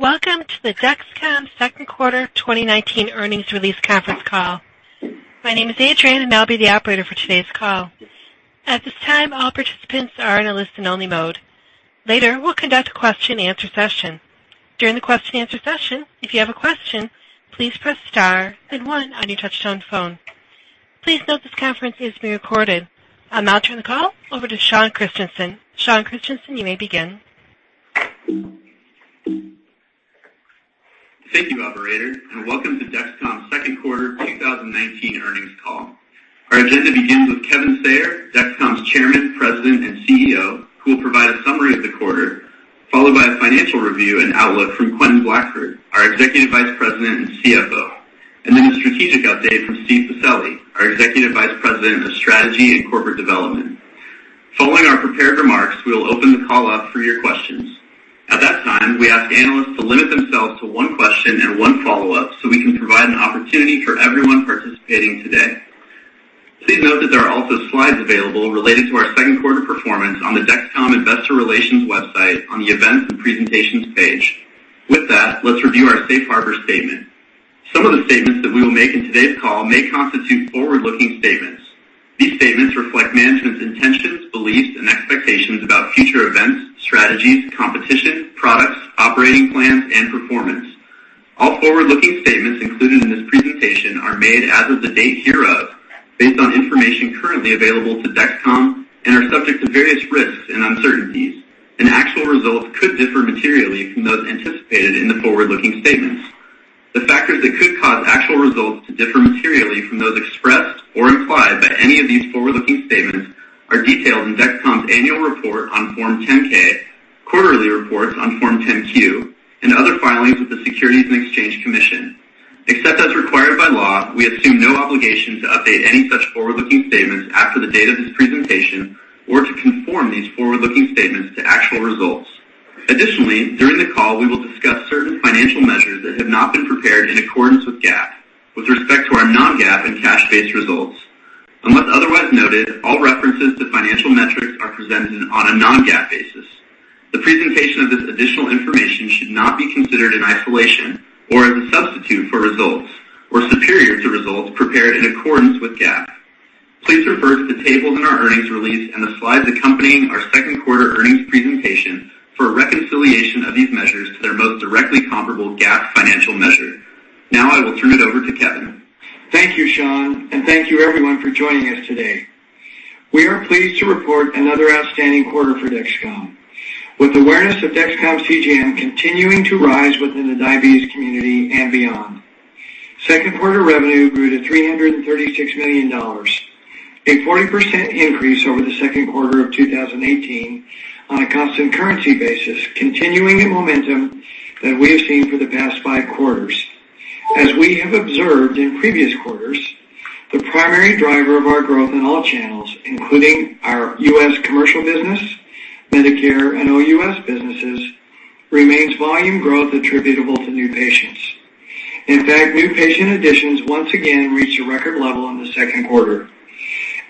Welcome to the Dexcom second quarter 2019 earnings release conference call. My name is Adrienne, and I'll be the operator for today's call. At this time, all participants are in a listen only mode. Later, we'll conduct a question and answer session. During the question and answer session, if you have a question, please press star then one on your touch-tone phone. Please note this conference is being recorded. I'll now turn the call over to Sean Christensen. Sean Christensen, you may begin. Thank you, Operator, welcome to Dexcom's second quarter 2019 earnings call. Our agenda begins with Kevin Sayer, Dexcom's Chairman, President, and CEO, who will provide a summary of the quarter, followed by a financial review and outlook from Quentin Blackford, our Executive Vice President and CFO, and then a strategic update from Steve Pacelli, our Executive Vice President of Strategy and Corporate Development. Following our prepared remarks, we will open the call up for your questions. At that time, we ask analysts to limit themselves to one question and one follow-up so we can provide an opportunity for everyone participating today. Please note that there are also slides available related to our second quarter performance on the Dexcom Investor Relations website on the Events and Presentations page. With that, let's review our safe harbor statement. Some of the statements that we will make in today's call may constitute forward-looking statements. These statements reflect management's intentions, beliefs, and expectations about future events, strategies, competition, products, operating plans, and performance. All forward-looking statements included in this presentation are made as of the date hereof based on information currently available to Dexcom and are subject to various risks and uncertainties, and actual results could differ materially from those anticipated in the forward-looking statements. The factors that could cause actual results to differ materially from those expressed or implied by any of these forward-looking statements are detailed in Dexcom's annual report on Form 10-K, quarterly reports on Form 10-Q, and other filings with the Securities and Exchange Commission. Except as required by law, we assume no obligation to update any such forward-looking statements after the date of this presentation or to conform these forward-looking statements to actual results. Additionally, during the call, we will discuss certain financial measures that have not been prepared in accordance with GAAP with respect to our non-GAAP and cash-based results. Unless otherwise noted, all references to financial metrics are presented on a non-GAAP basis. The presentation of this additional information should not be considered in isolation or as a substitute for results or superior to results prepared in accordance with GAAP. Please refer to the tables in our earnings release and the slides accompanying our second quarter earnings presentation for a reconciliation of these measures to their most directly comparable GAAP financial measure. Now I will turn it over to Kevin. Thank you, Sean, and thank you everyone for joining us today. We are pleased to report another outstanding quarter for Dexcom. With awareness of Dexcom CGM continuing to rise within the diabetes community and beyond. Second quarter revenue grew to $336 million, a 40% increase over the second quarter of 2018 on a constant currency basis, continuing the momentum that we have seen for the past five quarters. As we have observed in previous quarters, the primary driver of our growth in all channels, including our U.S. commercial business, Medicare, and OUS businesses, remains volume growth attributable to new patients. In fact, new patient additions once again reached a record level in the second quarter.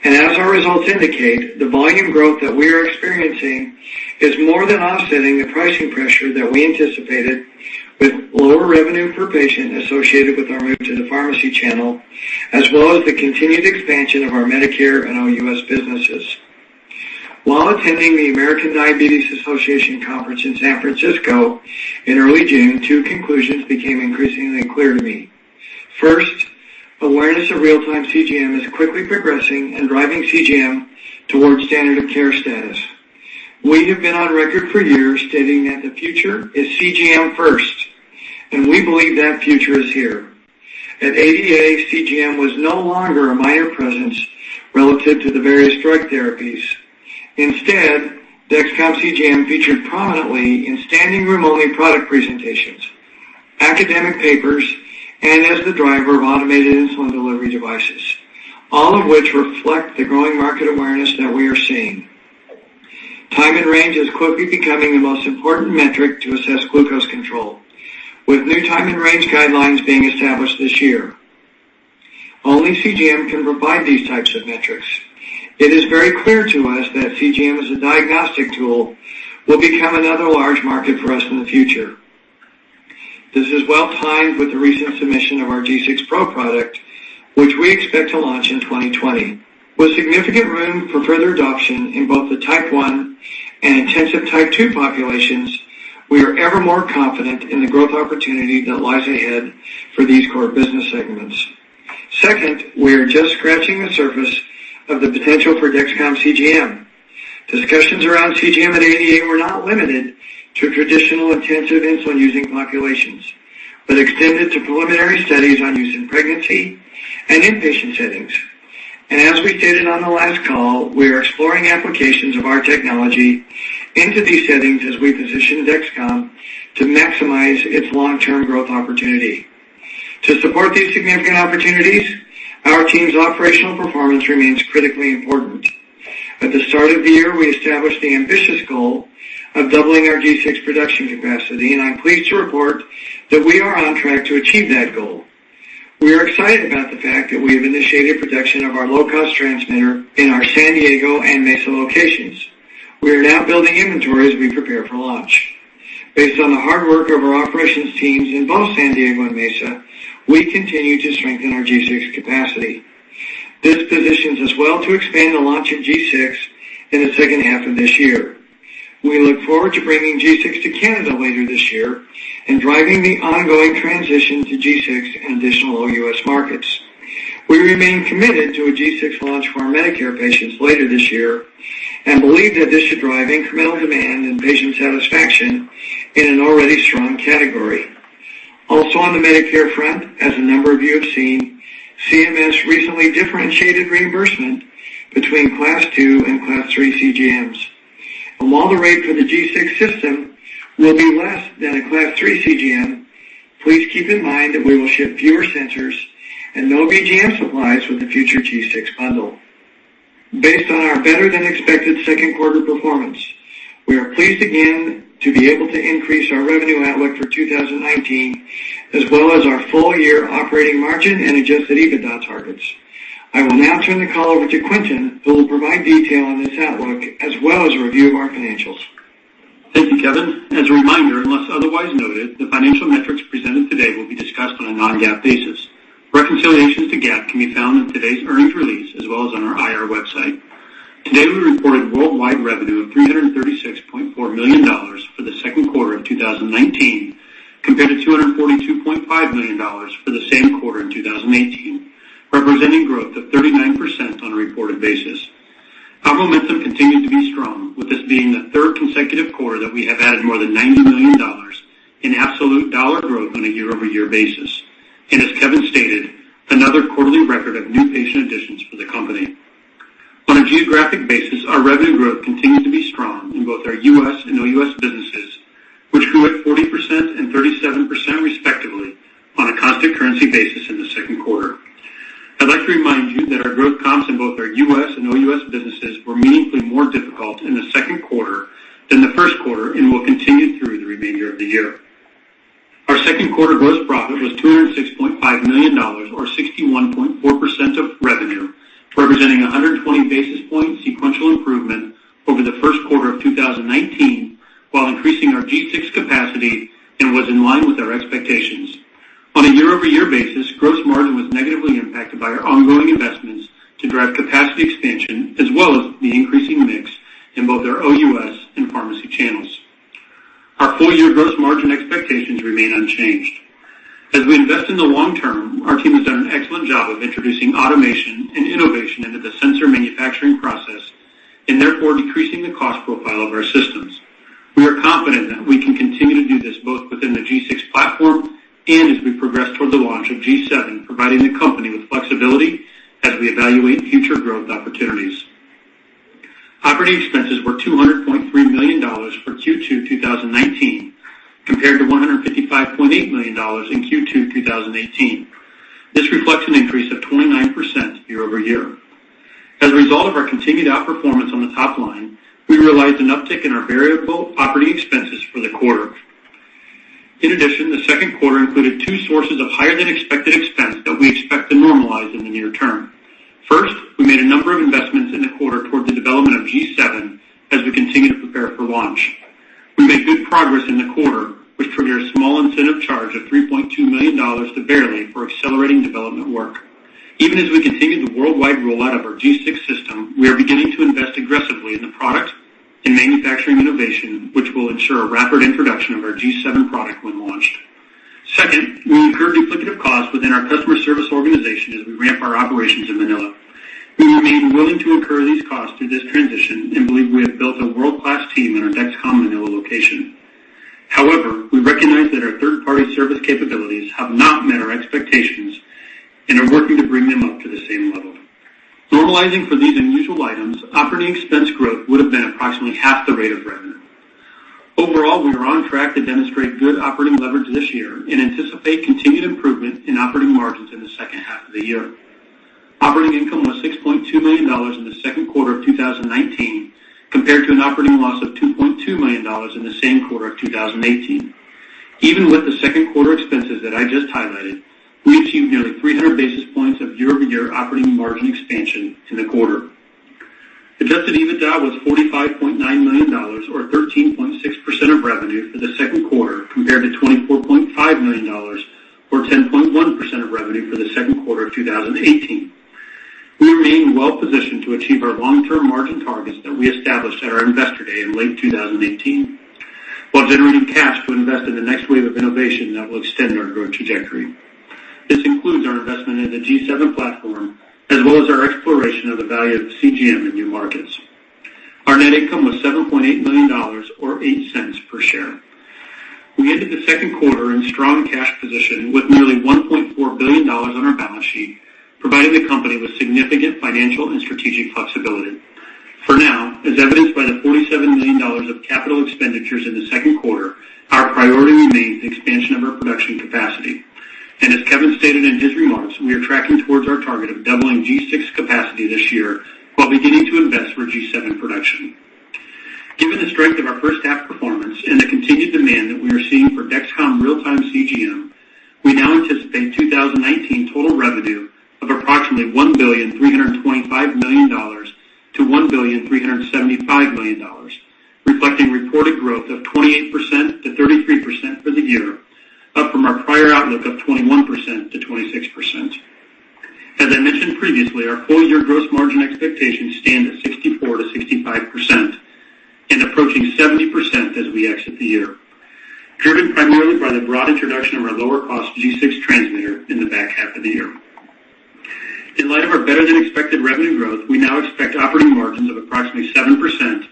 As our results indicate, the volume growth that we are experiencing is more than offsetting the pricing pressure that we anticipated with lower revenue per patient associated with our move to the pharmacy channel, as well as the continued expansion of our Medicare and OUS businesses. While attending the American Diabetes Association conference in San Francisco in early June, two conclusions became increasingly clear to me. First, awareness of real-time CGM is quickly progressing and driving CGM towards standard of care status. We have been on record for years stating that the future is CGM first, and we believe that future is here. At ADA, CGM was no longer a minor presence relative to the various drug therapies. Instead, Dexcom CGM featured prominently in standing room only product presentations, academic papers, and as the driver of automated insulin delivery devices, all of which reflect the growing market awareness that we are seeing. Time in range is quickly becoming the most important metric to assess glucose control, with new time in range guidelines being established this year. Only CGM can provide these types of metrics. It is very clear to us that CGM as a diagnostic tool will become another large market for us in the future. This is well timed with the recent submission of our G6 Pro product, which we expect to launch in 2020. With significant room for further adoption in both the type 1 and intensive type 2 populations, we are ever more confident in the growth opportunity that lies ahead for these core business segments. Second, we are just scratching the surface of the potential for Dexcom CGM. Discussions around CGM at ADA were not limited to traditional intensive insulin-using populations, but extended to preliminary studies on use in pregnancy and inpatient settings. As we stated on the last call, we are exploring applications of our technology into these settings as we position Dexcom to maximize its long-term growth opportunity. To support these significant opportunities, our team's operational performance remains critically important. At the start of the year, we established the ambitious goal of doubling our G6 production capacity, and I'm pleased to report that we are on track to achieve that goal. We are excited about the fact that we have initiated production of our low-cost transmitter in our San Diego and Mesa locations. We are now building inventory as we prepare for launch. Based on the hard work of our operations teams in both San Diego and Mesa, we continue to strengthen our G6 capacity. This positions us well to expand the launch of G6 in the second half of this year. We look forward to bringing G6 to Canada later this year and driving the ongoing transition to G6 in additional U.S. markets. We remain committed to a G6 launch for our Medicare patients later this year, and believe that this should drive incremental demand and patient satisfaction in an already strong category. On the Medicare front, as a number of you have seen, CMS recently differentiated reimbursement between Class II and Class III CGMs. While the rate for the G6 system will be less than a Class III CGM, please keep in mind that we will ship fewer sensors and no BGM supplies with the future G6 bundle. Based on our better-than-expected second quarter performance, we are pleased again to be able to increase our revenue outlook for 2019, as well as our full-year operating margin and adjusted EBITDA targets. I will now turn the call over to Quentin, who will provide detail on this outlook as well as a review of our financials. Thank you, Kevin. As a reminder, unless otherwise noted, the financial metrics presented today will be discussed on a non-GAAP basis. Reconciliations to GAAP can be found in today's earnings release as well as on our IR website. Today, we reported worldwide revenue of $336.4 million for the second quarter of 2019 compared to $242.5 million for the same quarter in 2018, representing growth of 39% on a reported basis. Our momentum continued to be strong, with this being the third consecutive quarter that we have added more than $90 million in absolute dollar growth on a year-over-year basis. As Kevin stated, another quarterly record of new patient additions for the company. On a geographic basis, our revenue growth continued to be strong in both our U.S. and OUS businesses, which grew at 40% and 37%, respectively, on a constant currency basis in the second quarter. I'd like to remind you that our growth comps in both our U.S. and OUS businesses were meaningfully more difficult in the second quarter than the first quarter and will continue through the remainder of the year. Our second quarter gross profit was $206.5 million, or 61.4% of revenue, representing 120 basis point sequential improvement over the first quarter of 2019 while increasing our G6 capacity and was in line with our expectations. On a year-over-year basis, gross margin was negatively impacted by our ongoing investments to drive capacity expansion, as well as the increasing mix in both our OUS and pharmacy channels. Our full-year gross margin expectations remain unchanged. As we invest in the long term, our team has done an excellent job of introducing automation and innovation into the sensor manufacturing process and therefore decreasing the cost profile of our systems. We are confident that we can continue to do this both within the G6 platform and as we progress toward the launch of G7, providing the company with flexibility as we evaluate future growth opportunities. Operating expenses were $200.3 million for Q2 2019, compared to $155.8 million in Q2 2018. This reflects an increase of 29% year-over-year. As a result of our continued outperformance on the top line, we realized an uptick in our variable operating expenses for the quarter. In addition, the second quarter included two sources of higher-than-expected expense that we expect to normalize in the near term. First, we made a number of investments in the quarter toward the development of G7 as we continue to prepare for launch. We made good progress in the quarter, which triggered a small incentive charge of $3.2 million to Verily for accelerating development work. Even as we continue the worldwide rollout of our G6 system, we are beginning to invest aggressively in the product and manufacturing innovation, which will ensure a rapid introduction of our G7 product when launched. Second, we incurred duplicative costs within our customer service organization as we ramp our operations in Dexcom Manila. We remain willing to incur these costs through this transition and believe we have built a world-class team in our Dexcom Manila location. However, we recognize that our third-party service capabilities have not met our expectations and are working to bring them up to the same level. Normalizing for these unusual items, operating expense growth would have been approximately half the rate of revenue. Overall, we are on track to demonstrate good operating leverage this year and anticipate continued improvement in operating margins in the second half of the year. Operating income was $6.2 million in the second quarter of 2019, compared to an operating loss of $2.2 million in the same quarter of 2018. Even with the second quarter expenses that I just highlighted, we achieved nearly 300 basis points of year-over-year operating margin expansion in the quarter. Adjusted EBITDA was $45.9 million or 13.6% of revenue for the second quarter, compared to $24.5 million or 10.1% of revenue for the second quarter of 2018. We remain well positioned to achieve our long-term margin targets that we established at our Investor Day in late 2018, while generating cash to invest in the next wave of innovation that will extend our growth trajectory. This includes our investment in the G7 platform, as well as our exploration of the value of CGM in new markets. Our net income was $7.8 million or $0.08 per share. We ended the second quarter in strong cash position with nearly $1.4 billion on our balance sheet, providing the company with significant financial and strategic flexibility. Now, as evidenced by the $47 million of capital expenditures in the second quarter, our priority remains the expansion of our production capacity. As Kevin stated in his remarks, we are tracking towards our target of doubling G6 capacity this year while beginning to invest for G7 production. Given the strength of our first half performance and the continued demand that we are seeing for Dexcom real-time CGM, we now anticipate 2019 total revenue of approximately $1.325 billion-$1.375 billion, reflecting reported growth of 28%-33% for the year, up from our prior outlook of 21%-26%. As I mentioned previously, our full-year gross margin expectations stand at 64%-65%, and approaching 70% as we exit the year, driven primarily by the broad introduction of our lower cost G6 transmitter in the back half of the year. In light of our better than expected revenue growth, we now expect operating margins of approximately 7%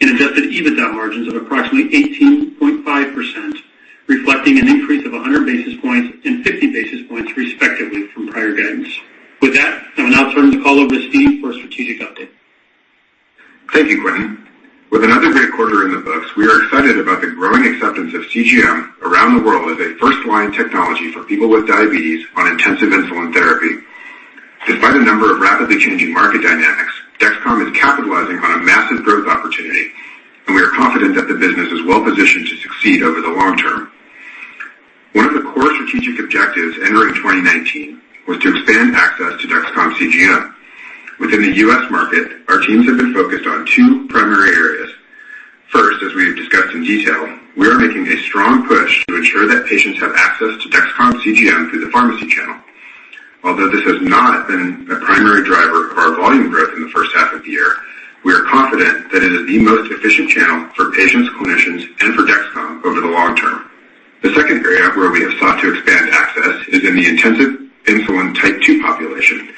and adjusted EBITDA margins of approximately 18.5%, reflecting an increase of 100 basis points and 50 basis points respectively from prior guidance. With that, I will now turn the call over to Steve for a strategic update. Thank you, Quentin. With another great quarter in the books, we are excited about the growing acceptance of CGM around the world as a first-line technology for people with diabetes on intensive insulin therapy. Despite a number of rapidly changing market dynamics, Dexcom is capitalizing on a massive growth opportunity, and we are confident that the business is well-positioned to succeed over the long term. One of the core strategic objectives entering 2019 was to expand access to Dexcom CGM. Within the U.S. market, our teams have been focused on two primary areas. First, as we have discussed in detail, we are making a strong push to ensure that patients have access to Dexcom CGM through the pharmacy channel. Although this has not been a primary driver of our volume growth in the first half of the year, we are confident that it is the most efficient channel for patients, clinicians, and for Dexcom over the long term. The second area where we have sought to expand access is in the intensive insulin type 2 population.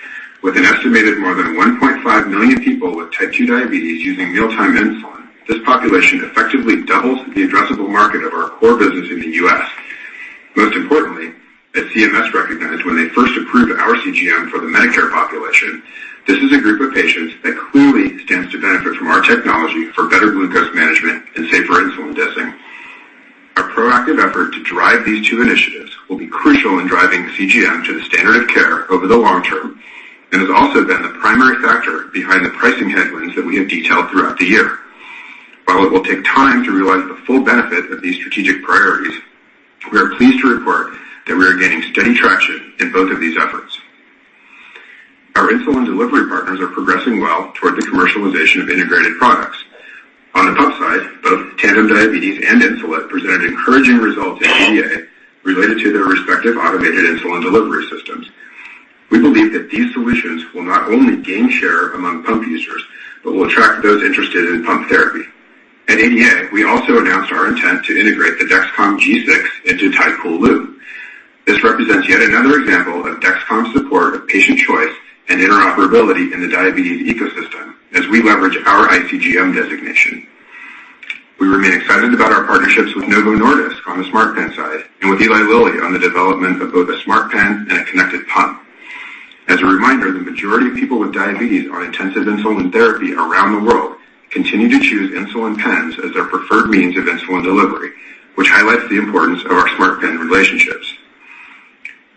With an estimated more than 1.5 million people with type 2 diabetes using mealtime insulin, this population effectively doubles the addressable market of our core business in the U.S. Most importantly, as CMS recognized when they first approved our CGM for the Medicare population, this is a group of patients that clearly stands to benefit from our technology for better glucose management and safer insulin dosing. Our proactive effort to drive these two initiatives will be crucial in driving CGM to the standard of care over the long term and has also been the primary factor behind the pricing headwinds that we have detailed throughout the year. While it will take time to realize the full benefit of these strategic priorities, we are pleased to report that we are gaining steady traction in both of these efforts. Our insulin delivery partners are progressing well toward the commercialization of integrated products. On the pump side, both Tandem Diabetes and Insulet presented encouraging results at ADA related to their respective automated insulin delivery systems. We believe that these solutions will not only gain share among pump users but will attract those interested in pump therapy. At ADA, we also announced our intent to integrate the Dexcom G6 into Tidepool Loop. This represents yet another example of Dexcom's support of patient choice and interoperability in the diabetes ecosystem as we leverage our iCGM designation. We remain excited about our partnerships with Novo Nordisk on the smart pen side and with Eli Lilly on the development of both a smart pen and a connected pump. As a reminder, the majority of people with diabetes on intensive insulin therapy around the world continue to choose insulin pens as their preferred means of insulin delivery, which highlights the importance of our smart pen relationships.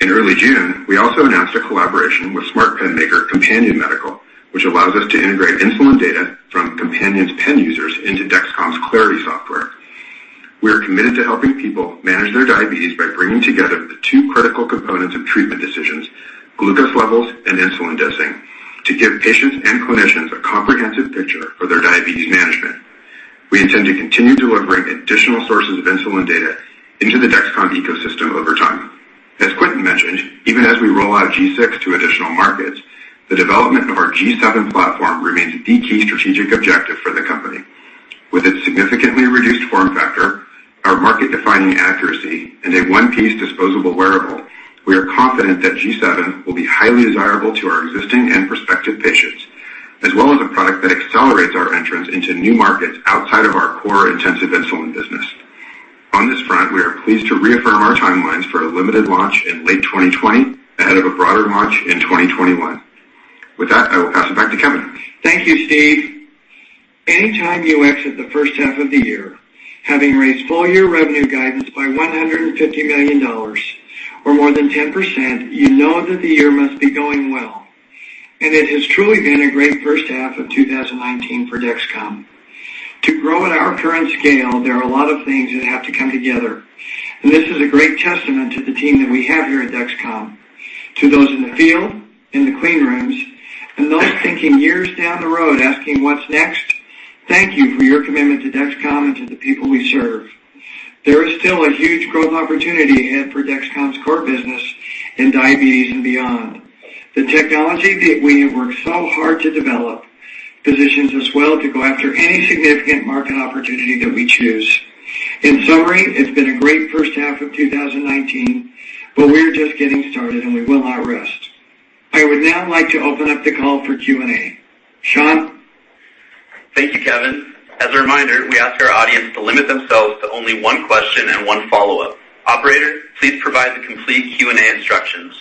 In early June, we also announced a collaboration with smart pen maker Companion Medical, which allows us to integrate insulin data from Companion's pen users into Dexcom's Clarity software. We are committed to helping people manage their diabetes by bringing together the two critical components of treatment decisions, glucose levels, and insulin dosing, to give patients and clinicians a comprehensive picture of their diabetes management. We intend to continue delivering additional sources of insulin data into the Dexcom ecosystem over time. As Quentin mentioned, even as we roll out G6 to additional markets, the development of our G7 platform remains the key strategic objective for the company. With its significantly reduced form factor, our market-defining accuracy, and a one-piece disposable wearable, we are confident that G7 will be highly desirable to our existing and prospective patients, as well as a product that accelerates our entrance into new markets outside of our core intensive insulin business. On this front, we are pleased to reaffirm our timelines for a limited launch in late 2020 ahead of a broader launch in 2021. With that, I will pass it back to Kevin. Thank you, Steve. Any time you exit the first half of the year, having raised full-year revenue guidance by $150 million, or more than 10%, you know that the year must be going well. It has truly been a great first half of 2019 for Dexcom. To grow at our current scale, there are a lot of things that have to come together, and this is a great testament to the team that we have here at Dexcom. To those in the field, in the clean rooms, and those thinking years down the road asking what's next, thank you for your commitment to Dexcom and to the people we serve. There is still a huge growth opportunity ahead for Dexcom's core business in diabetes and beyond. The technology that we have worked so hard to develop positions us well to go after any significant market opportunity that we choose. In summary, it's been a great first half of 2019, but we are just getting started, and we will not rest. I would now like to open up the call for Q&A. Sean? Thank you, Kevin. As a reminder, we ask our audience to limit themselves to only one question and one follow-up. Operator, please provide the complete Q&A instructions.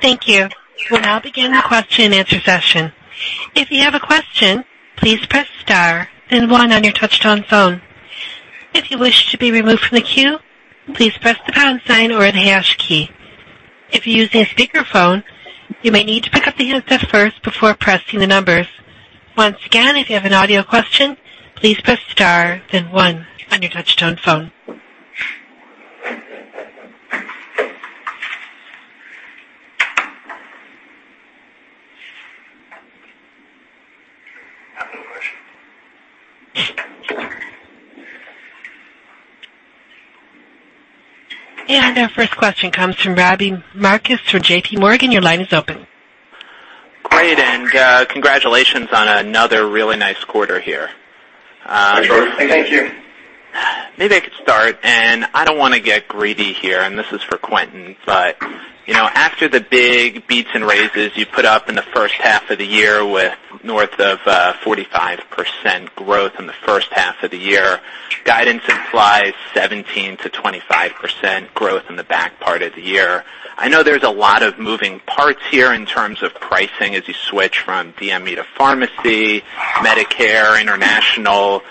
Thank you. We'll now begin the question and answer session. If you have a question, please press star then one on your touch-tone phone. If you wish to be removed from the queue, please press the pound sign or the hash key. If you're using a speakerphone, you may need to pick up the handset first before pressing the numbers. Once again, if you have an audio question, please press star then one on your touch-tone phone. I have no question. Our first question comes from Robbie Marcus from JPMorgan. Your line is open. Great, congratulations on another really nice quarter here. Thank you. Maybe I could start, and I don't want to get greedy here, and this is for Quentin. After the big beats and raises you put up in the first half of the year with north of 45% growth in the first half of the year, guidance implies 17%-25% growth in the back part of the year. I know there's a lot of moving parts here in terms of pricing as you switch from DME to pharmacy, Medicare, international.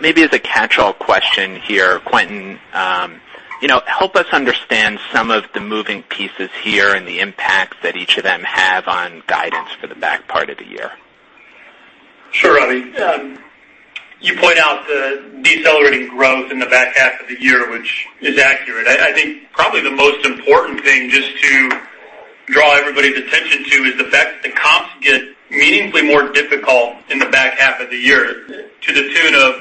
Maybe as a catch-all question here, Quentin, help us understand some of the moving pieces here and the impacts that each of them have on guidance for the back part of the year. Sure, Robbie. You point out the decelerating growth in the back half of the year, which is accurate. I think probably the most important thing just to draw everybody's attention to is the fact that the comps get meaningfully more difficult in the back half of the year, to the tune of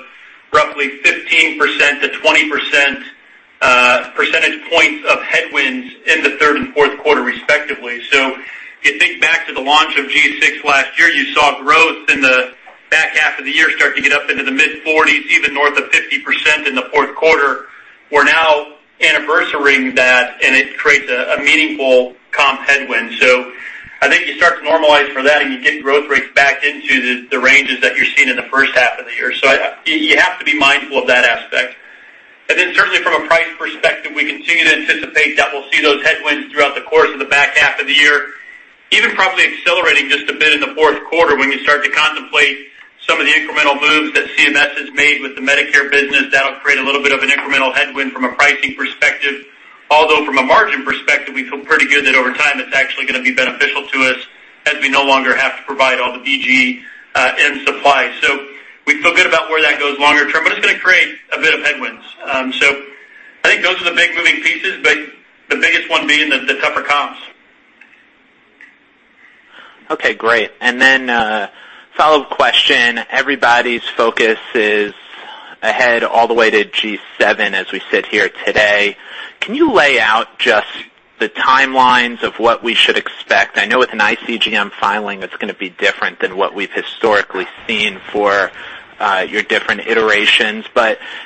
roughly 15% to 20 percentage points of headwinds in the third and fourth quarter, respectively. You think back to the launch of G6 last year, you saw growth in the back half of the year start to get up into the mid-40s, even north of 50% in the fourth quarter. We're now anniversarying that, and it creates a meaningful comp headwind. I think you start to normalize for that, and you get growth rates back into the ranges that you're seeing in the first half of the year. You have to be mindful of that aspect. Certainly from a price perspective, we continue to anticipate that we will see those headwinds throughout the course of the back half of the year, even probably accelerating just a bit in the fourth quarter when you start to contemplate some of the incremental moves that CMS has made with the Medicare business. That will create a little bit of an incremental headwind from a pricing perspective. From a margin perspective, we feel pretty good that over time, it is actually going to be beneficial to us as we no longer have to provide all the DME supply. We feel good about where that goes longer term, but it is going to create a bit of headwinds. I think those are the big moving pieces, but the biggest one being the tougher comps. Okay, great. A follow-up question. Everybody's focus is ahead all the way to G7 as we sit here today. Can you lay out just the timelines of what we should expect? I know with an iCGM filing, it's going to be different than what we've historically seen for your different iterations.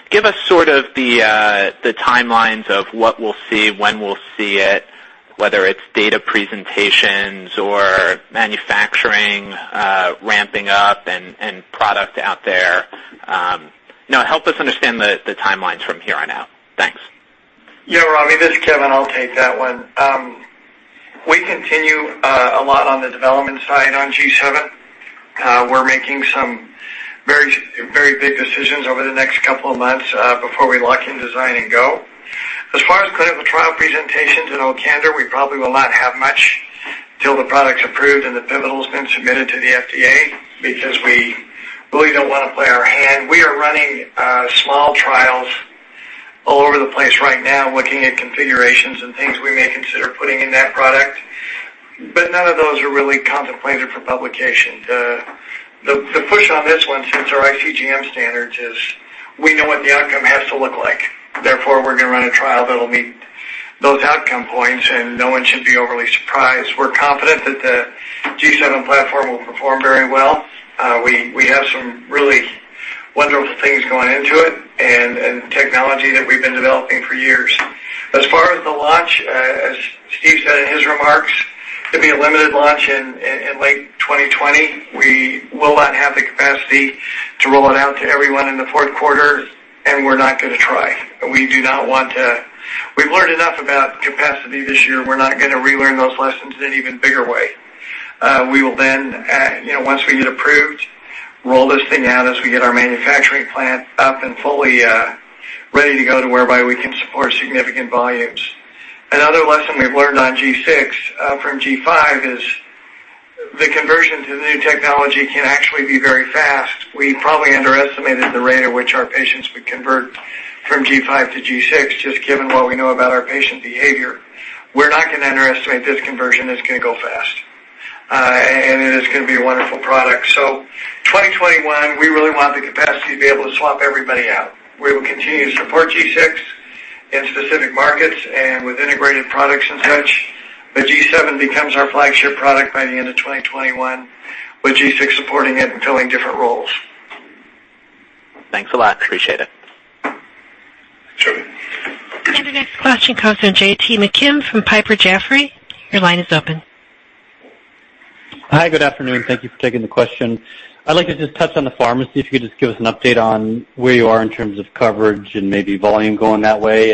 Give us the timelines of what we'll see, when we'll see it, whether it's data presentations or manufacturing ramping up and product out there. Help us understand the timelines from here on out. Thanks. Yeah, Robbie, this is Kevin. I'll take that one. We continue a lot on the development side on G7. We're making some very big decisions over the next couple of months before we lock in design and go. As far as clinical trial presentations, in all candor, we probably will not have much till the product's approved and the pivotal has been submitted to the FDA because we really don't want to play our hand. We are running small trials all over the place right now looking at configurations and things we may consider putting in that product. None of those are really contemplated for publication. The push on this one, since our iCGM standards, is we know what the outcome has to look like. Therefore, we're going to run a trial that'll meet those outcome points, and no one should be overly surprised. We're confident that the G7 platform will perform very well. We have some really wonderful things going into it and technology that we've been developing for years. As far as the launch, as Steve said in his remarks, it'll be a limited launch in late 2020. We will not have the capacity to roll it out to everyone in the fourth quarter, we're not going to try. We've learned enough about capacity this year. We're not going to relearn those lessons in an even bigger way. We will, once we get approved, roll this thing out as we get our manufacturing plant up and fully ready to go to whereby we can support significant volumes. Another lesson we've learned on G6 from G5 is the conversion to the new technology can actually be very fast. We probably underestimated the rate at which our patients would convert from G5 to G6, just given what we know about our patient behavior. We're not going to underestimate this conversion. It's going to go fast. It is going to be a wonderful product. 2021, we really want the capacity to be able to swap everybody out. We will continue to support G6 in specific markets and with integrated products and such, but G7 becomes our flagship product by the end of 2021, with G6 supporting it and filling different roles. Thanks a lot. Appreciate it. Sure. The next question comes from J.P. McKim from Piper Jaffray. Your line is open. Hi, good afternoon. Thank you for taking the question. I'd like to just touch on the pharmacy, if you could just give us an update on where you are in terms of coverage and maybe volume going that way.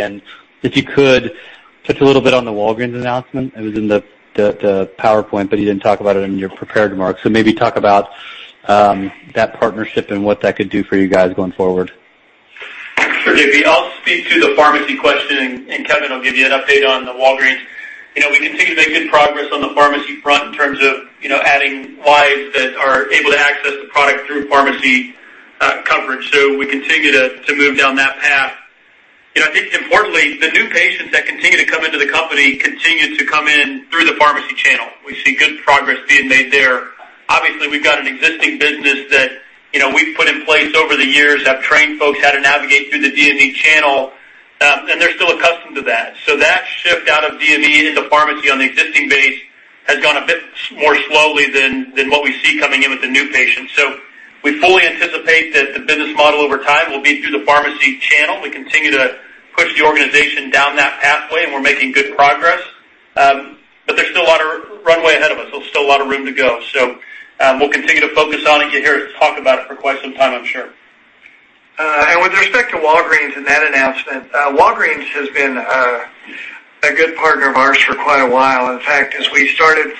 If you could Just a little bit on the Walgreens announcement. It was in the PowerPoint, but you didn't talk about it in your prepared remarks. Maybe talk about that partnership and what that could do for you guys going forward. Sure. Maybe I'll speak to the pharmacy question, and Kevin will give you an update on the Walgreens. We continue to make good progress on the pharmacy front in terms of adding lives that are able to access the product through pharmacy coverage. We continue to move down that path. I think importantly, the new patients that continue to come into the company continue to come in through the pharmacy channel. We see good progress being made there. Obviously, we've got an existing business that we've put in place over the years, have trained folks how to navigate through the DME channel, and they're still accustomed to that. That shift out of DME into pharmacy on the existing base has gone a bit more slowly than what we see coming in with the new patients. We fully anticipate that the business model over time will be through the pharmacy channel. We continue to push the organization down that pathway, and we're making good progress. There's still a lot of runway ahead of us, so still a lot of room to go. We'll continue to focus on and you'll hear us talk about it for quite some time, I'm sure. With respect to Walgreens and that announcement, Walgreens has been a good partner of ours for quite a while. In fact, as we started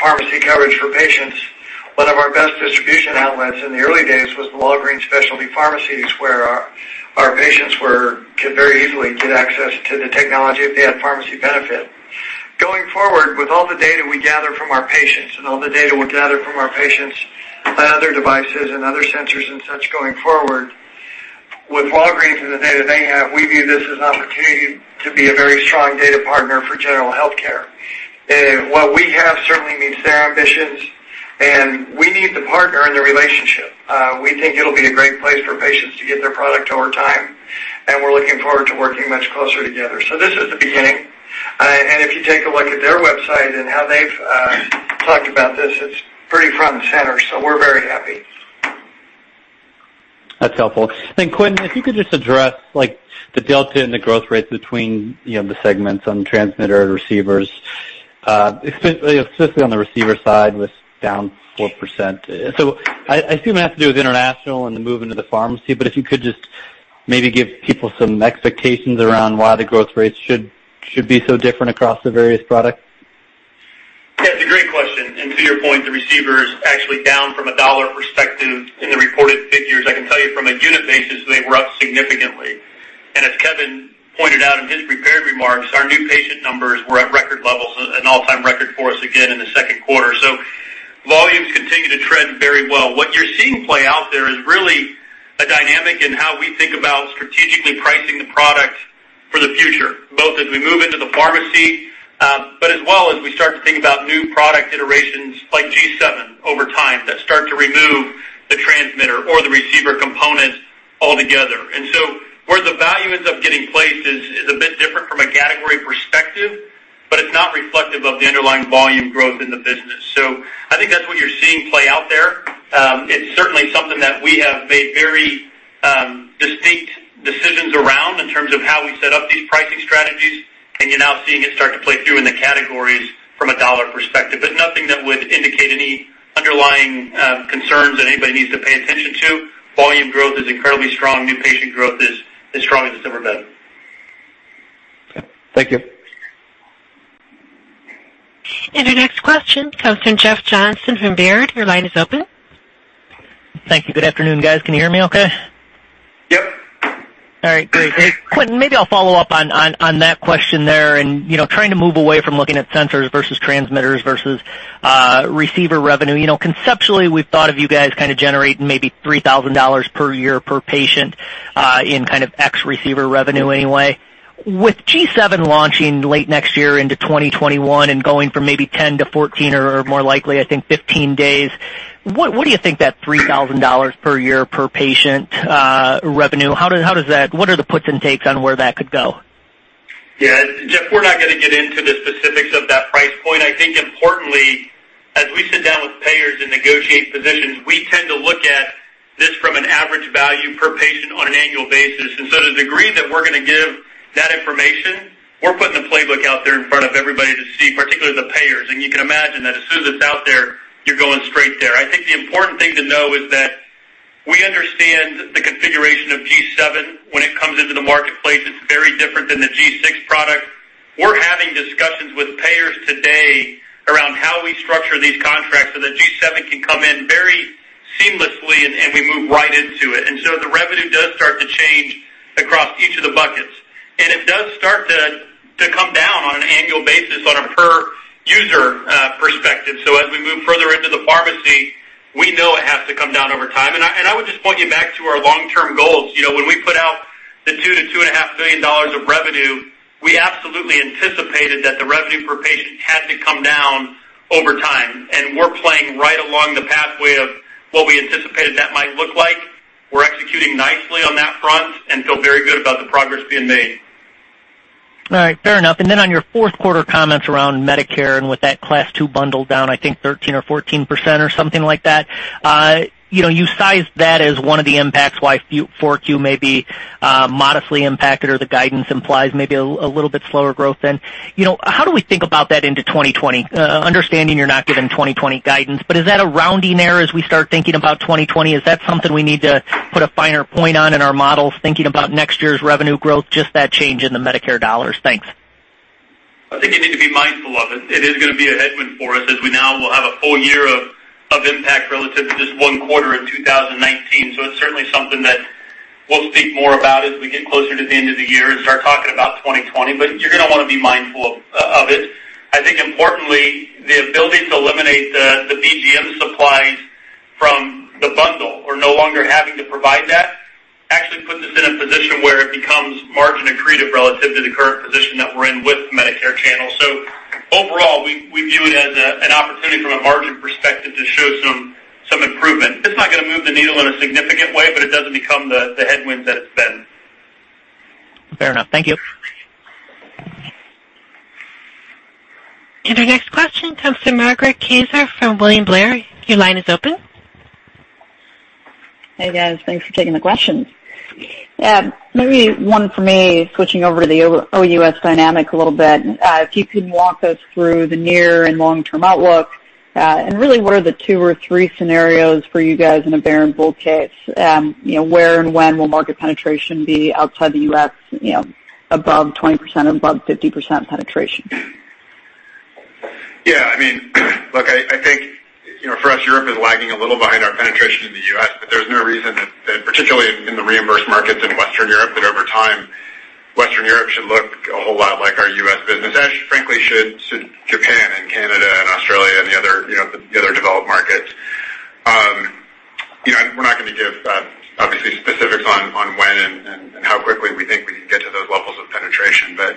pharmacy coverage for patients, one of our best distribution outlets in the early days was the Walgreens specialty pharmacies, where our patients could very easily get access to the technology if they had pharmacy benefit. Going forward, with all the data we gather from our patients and all the data we'll gather from our patients by other devices and other sensors and such going forward, with Walgreens and the data they have, we view this as an opportunity to be a very strong data partner for general healthcare. What we have certainly meets their ambitions, and we need the partner in the relationship. We think it'll be a great place for patients to get their product over time, and we're looking forward to working much closer together. This is the beginning. If you take a look at their website and how they've talked about this, it's pretty front and center, so we're very happy. That's helpful. Then Quentin, if you could just address the delta and the growth rates between the segments on transmitter and receivers, specifically on the receiver side was down 4%. I assume it has to do with international and the move into the pharmacy, but if you could just maybe give people some expectations around why the growth rates should be so different across the various products. Yeah, it's a great question. To your point, the receiver is actually down from a dollar perspective in the reported figures. I can tell you from a unit basis, they were up significantly. As Kevin pointed out in his prepared remarks, our new patient numbers were at record levels, an all-time record for us again in the second quarter. Volumes continue to trend very well. What you're seeing play out there is really a dynamic in how we think about strategically pricing the product for the future, both as we move into the pharmacy, but as well as we start to think about new product iterations like G7 over time that start to remove the transmitter or the receiver component altogether. Where the value ends up getting placed is a bit different from a category perspective, but it's not reflective of the underlying volume growth in the business. I think that's what you're seeing play out there. It's certainly something that we have made very distinct decisions around in terms of how we set up these pricing strategies, and you're now seeing it start to play through in the categories from a dollar perspective. Nothing that would indicate any underlying concerns that anybody needs to pay attention to. Volume growth is incredibly strong. New patient growth is as strong as it's ever been. Okay. Thank you. Your next question comes from Jeff Johnson from Baird. Your line is open. Thank you. Good afternoon, guys. Can you hear me okay? Yep. All right, great. Hey, Quentin, maybe I'll follow up on that question there and trying to move away from looking at sensors versus transmitters versus receiver revenue. Conceptually, we've thought of you guys kind of generating maybe $3,000 per year per patient in kind of ex receiver revenue anyway. With G7 launching late next year into 2021 and going from maybe 10 to 14 or more likely, I think, 15 days, what do you think that $3,000 per year per patient revenue, what are the puts and takes on where that could go? Yeah, Jeff, we're not gonna get into the specifics of that price point. I think importantly, as we sit down with payers and negotiate positions, we tend to look at this from an average value per patient on an annual basis. To the degree that we're gonna give that information, we're putting the playbook out there in front of everybody to see, particularly the payers. You can imagine that as soon as it's out there, you're going straight there. I think the important thing to know is that we understand the configuration of G7 when it comes into the marketplace. It's very different than the G6 product. We're having discussions with payers today around how we structure these contracts so that G7 can come in very seamlessly, and we move right into it. The revenue does start to change across each of the buckets, and it does start to come down on an annual basis on a per user perspective. As we move further into the pharmacy, we know it has to come down over time. I would just point you back to our long-term goals. When we put out the $2 billion-$2.5 billion of revenue, we absolutely anticipated that the revenue per patient had to come down over time, and we're playing right along the pathway of what we anticipated that might look like. We're executing nicely on that front and feel very good about the progress being made. All right, fair enough. On your fourth quarter comments around Medicare and with that Class II bundle down, I think, 13% or 14% or something like that. You sized that as one of the impacts why 4Q may be modestly impacted or the guidance implies maybe a little bit slower growth then. How do we think about that into 2020? Understanding you're not giving 2020 guidance, but is that a rounding error as we start thinking about 2020? Is that something we need to put a finer point on in our models thinking about next year's revenue growth, just that change in the Medicare dollars? Thanks. I think you need to be mindful of it. It is going to be a headwind for us as we now will have a full year of impact relative to just one quarter in 2019. It's certainly something that we'll speak more about as we get closer to the end of the year and start talking about 2020. You're going to want to be mindful of it. I think importantly, the ability to eliminate the BGM supplies from the bundle, or no longer having to provide that, actually puts us in a position where it becomes margin accretive relative to the current position that we're in with the Medicare channel. Overall, we view it as an opportunity from a margin perspective to show some improvement. It's not going to move the needle in a significant way, but it doesn't become the headwind that it's been. Fair enough. Thank you. Our next question comes from Margaret Kaczor from William Blair. Your line is open. Hey, guys. Thanks for taking the questions. Maybe one for me, switching over to the OUS dynamic a little bit. If you can walk us through the near and long-term outlook, and really what are the two or three scenarios for you guys in a bear and bull case? Where and when will market penetration be outside the U.S. above 20% and above 50% penetration? Yeah, look, I think for us, Europe is lagging a little behind our penetration in the U.S. There's no reason that, particularly in the reimbursed markets in Western Europe, that over time, Western Europe should look a whole lot like our U.S. business. As frankly should Japan and Canada and Australia and the other developed markets. We're not going to give, obviously, specifics on when and how quickly we think we can get to those levels of penetration. The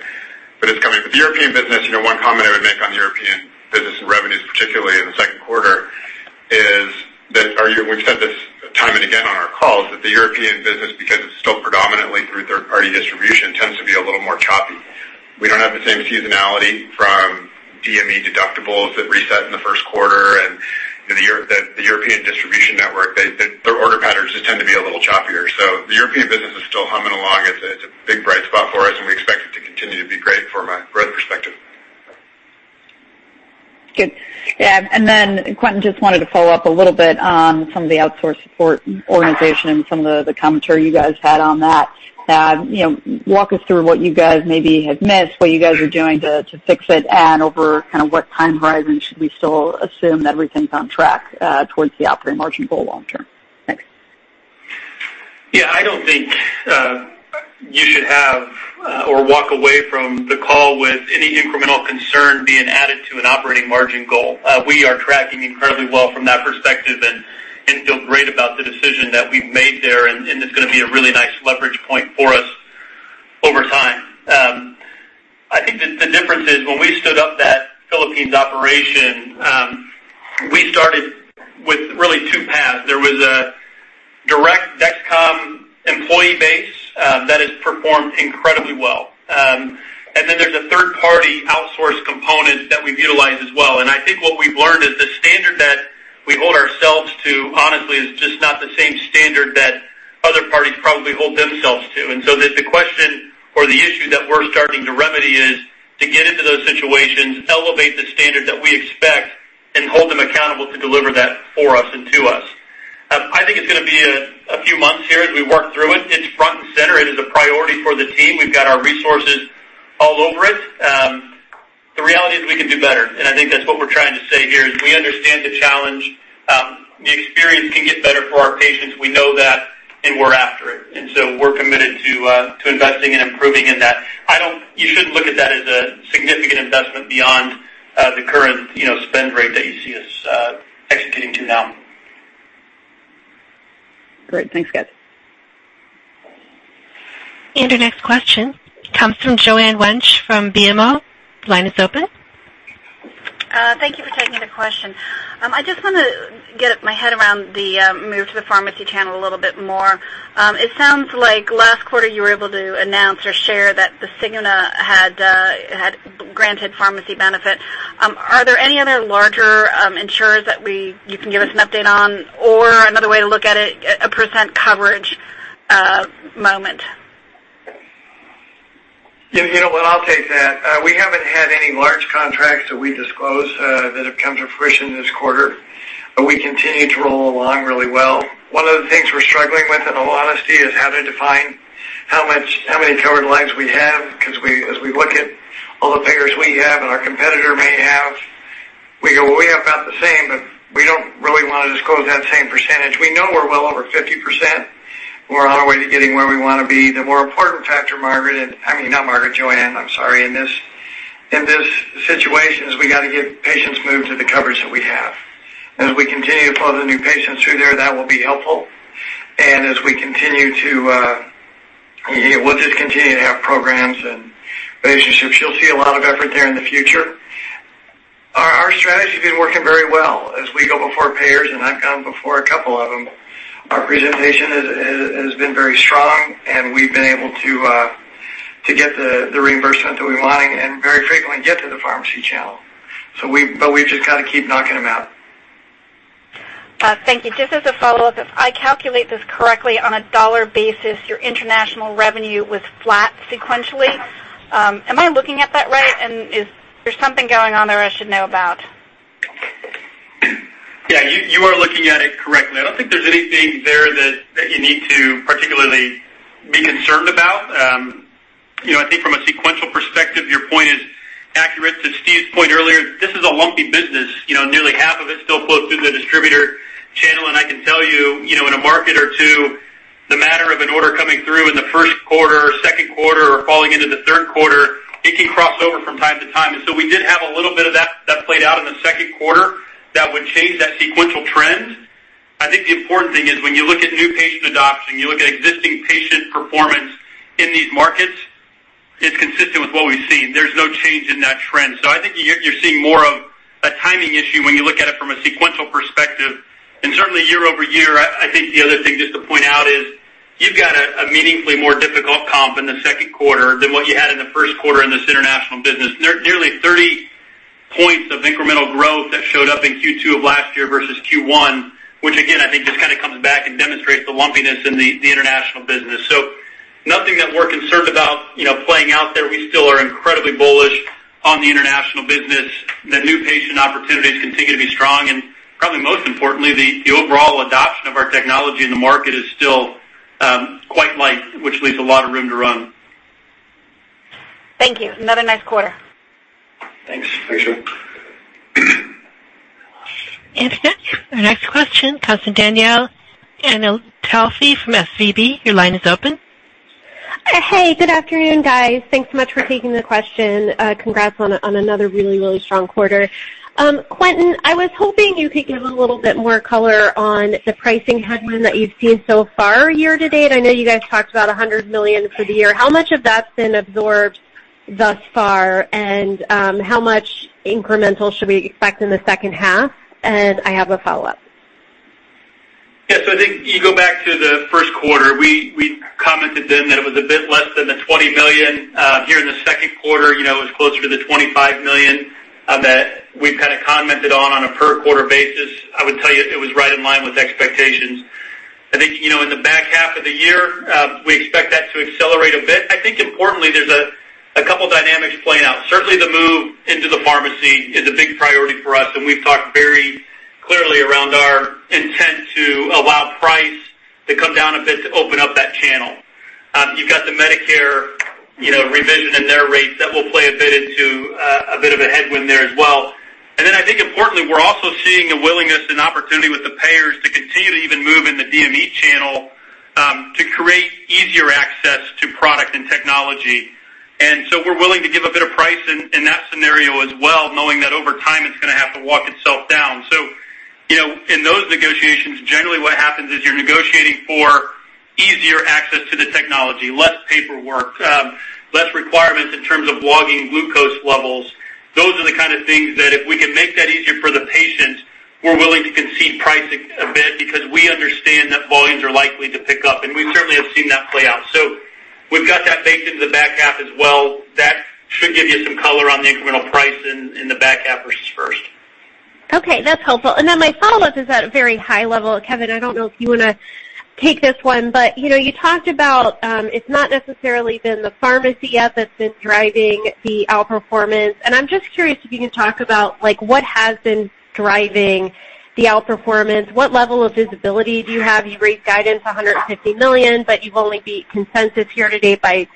European business, one comment I would make on the European business and revenues, particularly in the second quarter, is that, we've said this time and again on our calls, that the European business, because it's still predominantly through third-party distribution, tends to be a little more choppy. We don't have the same seasonality from DME deductibles that reset in the first quarter, and the European distribution network, their order patterns just tend to be a little choppier. The European business is still humming along. It's a big bright spot for us, and we expect it to continue to be great from a growth perspective. Good. Quentin, just wanted to follow up a little bit on some of the outsourced support organization and some of the commentary you guys had on that. Walk us through what you guys maybe had missed, what you guys are doing to fix it, and over what time horizon should we still assume that everything's on track towards the operating margin goal long-term? Thanks. Yeah, I don't think you should have or walk away from the call with any incremental concern being added to an operating margin goal. We are tracking incredibly well from that perspective and feel great about the decision that we've made there, and it's going to be a really nice leverage point for us over time. I think that the difference is when we stood up that Philippines operation, we started with really two paths. There was a direct Dexcom employee base that has performed incredibly well. There's a third-party outsourced component that we've utilized as well, and I think what we've learned is the standard that we hold ourselves to, honestly, is just not the same standard that other parties probably hold themselves to. The question or the issue that we're starting to remedy is to get into those situations, elevate the standard that we expect, and hold them accountable to deliver that for us and to us. I think it's going to be a few months here as we work through it. It's front and center. It is a priority for the team. We've got our resources all over it. The reality is we can do better, and I think that's what we're trying to say here, is we understand the challenge. The experience can get better for our patients. We know that, and we're after it. We're committed to investing and improving in that. You shouldn't look at that as a significant investment beyond the current spend rate that you see us executing to now. Great. Thanks, guys. Our next question comes from Joanne Wuensch from BMO. Line is open. Thank you for taking the question. I just want to get my head around the move to the pharmacy channel a little bit more. It sounds like last quarter you were able to announce or share that Cigna had granted pharmacy benefit. Are there any other larger insurers that you can give us an update on? Or another way to look at it, a percent coverage moment? You know what, I'll take that. We haven't had any large contracts that we disclose that have come to fruition this quarter, but we continue to roll along really well. One of the things we're struggling with, in all honesty, is how to define how many covered lives we have, because as we look at all the payers we have and our competitor may have, we go, "Well, we have about the same," but we don't really want to disclose that same percentage. We know we're well over 50%, and we're on our way to getting where we want to be. The more important factor, Margaret, I mean, not Margaret, Joanne, I'm sorry, in this situation, is we got to get patients moved to the coverage that we have. As we continue to flow the new patients through there, that will be helpful. We'll just continue to have programs and relationships. You'll see a lot of effort there in the future. Our strategy has been working very well. As we go before payers, and I've gone before a couple of them, our presentation has been very strong, and we've been able to get the reimbursement that we want and very frequently get to the pharmacy channel. We've just got to keep knocking them out. Thank you. Just as a follow-up, if I calculate this correctly on a dollar basis, your international revenue was flat sequentially. Am I looking at that right? Is there something going on there I should know about? Yeah, you are looking at it correctly. I don't think there's anything there that you need to particularly be concerned about. I think from a sequential perspective, your point is accurate. To Steve's point earlier, this is a lumpy business. Nearly half of it still flows through the distributor channel. I can tell you, in a market or two, the matter of an order coming through in the first quarter or second quarter or falling into the third quarter, it can cross over from time to time. So we did have a little bit of that played out in the second quarter that would change that sequential trend. I think the important thing is when you look at new patient adoption, you look at existing patient performance in these markets, it's consistent with what we've seen. There's no change in that trend. I think you're seeing more of a timing issue when you look at it from a sequential perspective. Certainly year-over-year, I think the other thing just to point out is you've got a meaningfully more difficult comp in the second quarter than what you had in the first quarter in this international business. Nearly 30 points of incremental growth that showed up in Q2 of last year versus Q1, which again, I think just comes back and demonstrates the lumpiness in the international business. Nothing that we're concerned about playing out there. We still are incredibly bullish on the international business. The new patient opportunities continue to be strong, and probably most importantly, the overall adoption of our technology in the market is still quite light, which leaves a lot of room to run. Thank you. Another nice quarter. Thanks. Thanks, Joanne. Our next question comes from Danielle Antalffy from SVB. Your line is open. Hey, good afternoon, guys. Thanks so much for taking the question. Congrats on another really, really strong quarter. Quentin, I was hoping you could give a little bit more color on the pricing headwind that you've seen so far year-to-date. I know you guys talked about $100 million for the year. How much of that's been absorbed thus far? How much incremental should we expect in the second half? I have a follow-up. Yes. I think you go back to the first quarter. We commented then that it was a bit less than the $20 million. Here in the second quarter, it was closer to the $25 million that we've commented on a per-quarter basis. I would tell you it was right in line with expectations. In the back half of the year, we expect that to accelerate a bit. Importantly, there's a couple of dynamics playing out. Certainly, the move into the pharmacy is a big priority for us, and we've talked very clearly around our intent to allow price to come down a bit to open up that channel. You've got the Medicare revision and their rates that will play a bit into a bit of a headwind there as well. I think importantly, we're also seeing a willingness and opportunity with the payers to continue to even move in the DME channel to create easier access to product and technology. We're willing to give a bit of price in that scenario as well, knowing that over time, it's going to have to walk itself down. In those negotiations, generally what happens is you're negotiating for easier access to the technology, less paperwork, less requirements in terms of logging glucose levels. Those are the kind of things that if we can make that easier for the patient, we're willing to concede price a bit because we understand that volumes are likely to pick up, and we certainly have seen that play out. We've got that baked into the back half as well. That should give you some color on the incremental price in the back half versus first. Okay, that's helpful. Then my follow-up is at a very high level. Kevin, I don't know if you want to take this one. You talked about it's not necessarily been the pharmacy yet that's been driving the outperformance. I'm just curious if you can talk about what has been driving the outperformance. What level of visibility do you have? You raised guidance $150 million, but you've only beat consensus year-to-date by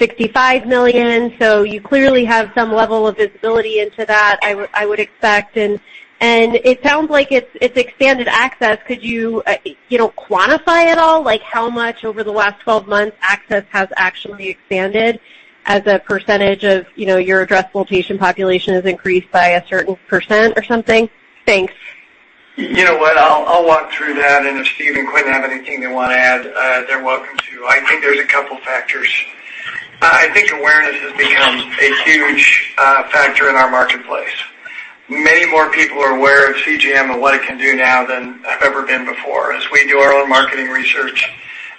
$65 million. You clearly have some level of visibility into that, I would expect. It sounds like it's expanded access. Could you quantify at all how much over the last 12 months access has actually expanded as a percentage of your addressable patient population has increased by a certain percent or something? Thanks. You know what? I'll walk through that, and if Steve and Quentin have anything they want to add, they're welcome to. I think there's a couple of factors. I think awareness has become a huge factor in our marketplace. Many more people are aware of CGM and what it can do now than have ever been before. As we do our own marketing research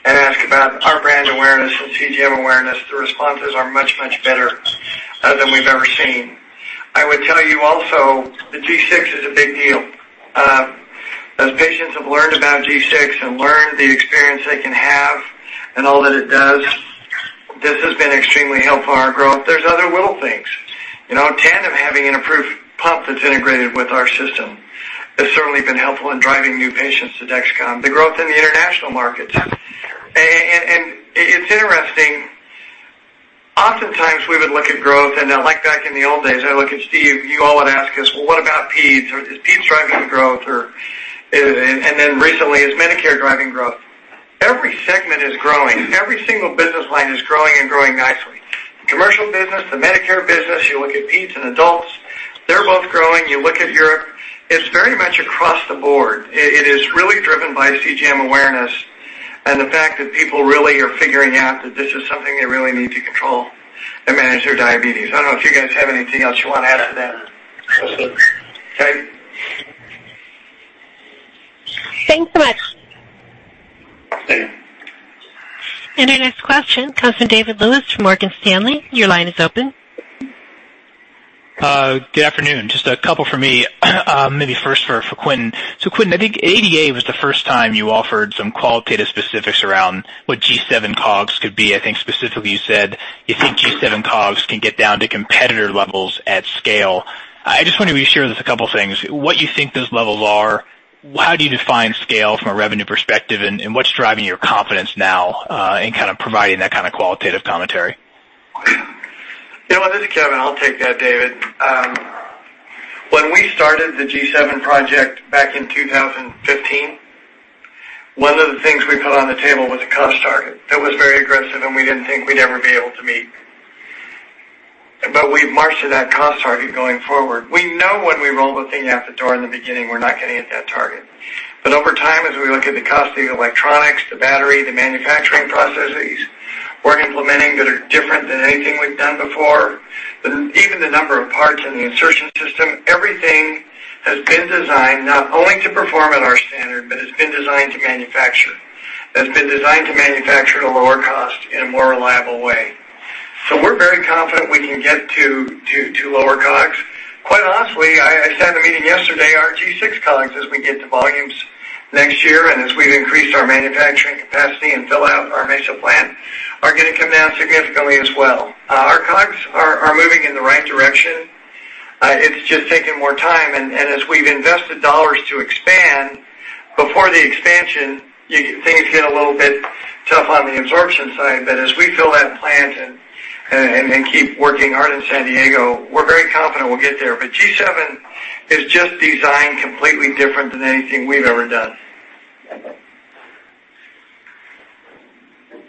and ask about our brand awareness and CGM awareness, the responses are much, much better than we've ever seen. I would tell you also, the Dexcom G6 is a big deal. As patients have learned about Dexcom G6 and learned the experience they can have and all that it does, this has been extremely helpful for our growth. There's other little things. Tandem Diabetes Care having an approved pump that's integrated with our system has certainly been helpful in driving new patients to Dexcom. The growth in the international markets. It's interesting. Oftentimes, we would look at growth and like back in the old days, I look at Steve, you all would ask us, "Well, what about peds? Is peds driving the growth?" Recently, "Is Medicare driving growth?" Every segment is growing. Every single business line is growing and growing nicely. Commercial business, the Medicare business, you look at peds and adults, they're both growing. You look at Europe. It's very much across the board. It is really driven by CGM awareness and the fact that people really are figuring out that this is something they really need to control and manage their diabetes. I don't know if you guys have anything else you want to add to that. That's it. Okay. Thanks so much. Thank you. Our next question comes from David Lewis from Morgan Stanley. Your line is open. Good afternoon. Just a couple for me. Maybe first for Quentin. Quentin, I think ADA was the first time you offered some qualitative specifics around what G7 COGS could be. I think specifically you said you think G7 COGS can get down to competitor levels at scale. I just wonder if you share with us a couple of things, what you think those levels are, how do you define scale from a revenue perspective, and what's driving your confidence now in kind of providing that kind of qualitative commentary? This is Kevin. I'll take that, David. When we started the G7 project back in 2015, one of the things we put on the table was a cost target that was very aggressive, and we didn't think we'd ever be able to meet. We've marched to that cost target going forward. We know when we roll the thing out the door in the beginning, we're not going to hit that target. Over time, as we look at the cost of the electronics, the battery, the manufacturing processes we're implementing that are different than anything we've done before, even the number of parts in the insertion system, everything has been designed not only to perform at our standard, but it's been designed to manufacture at a lower cost in a more reliable way. We're very confident we can get to lower COGS. Quite honestly, I sat in a meeting yesterday, our G6 COGS, as we get to volumes next year and as we've increased our manufacturing capacity and fill out our Mesa plant, are going to come down significantly as well. Our COGS are moving in the right direction. It's just taking more time, and as we've invested dollars to expand, before the expansion, things get a little bit tough on the absorption side. As we fill that plant and keep working hard in San Diego, we're very confident we'll get there. G7 is just designed completely different than anything we've ever done.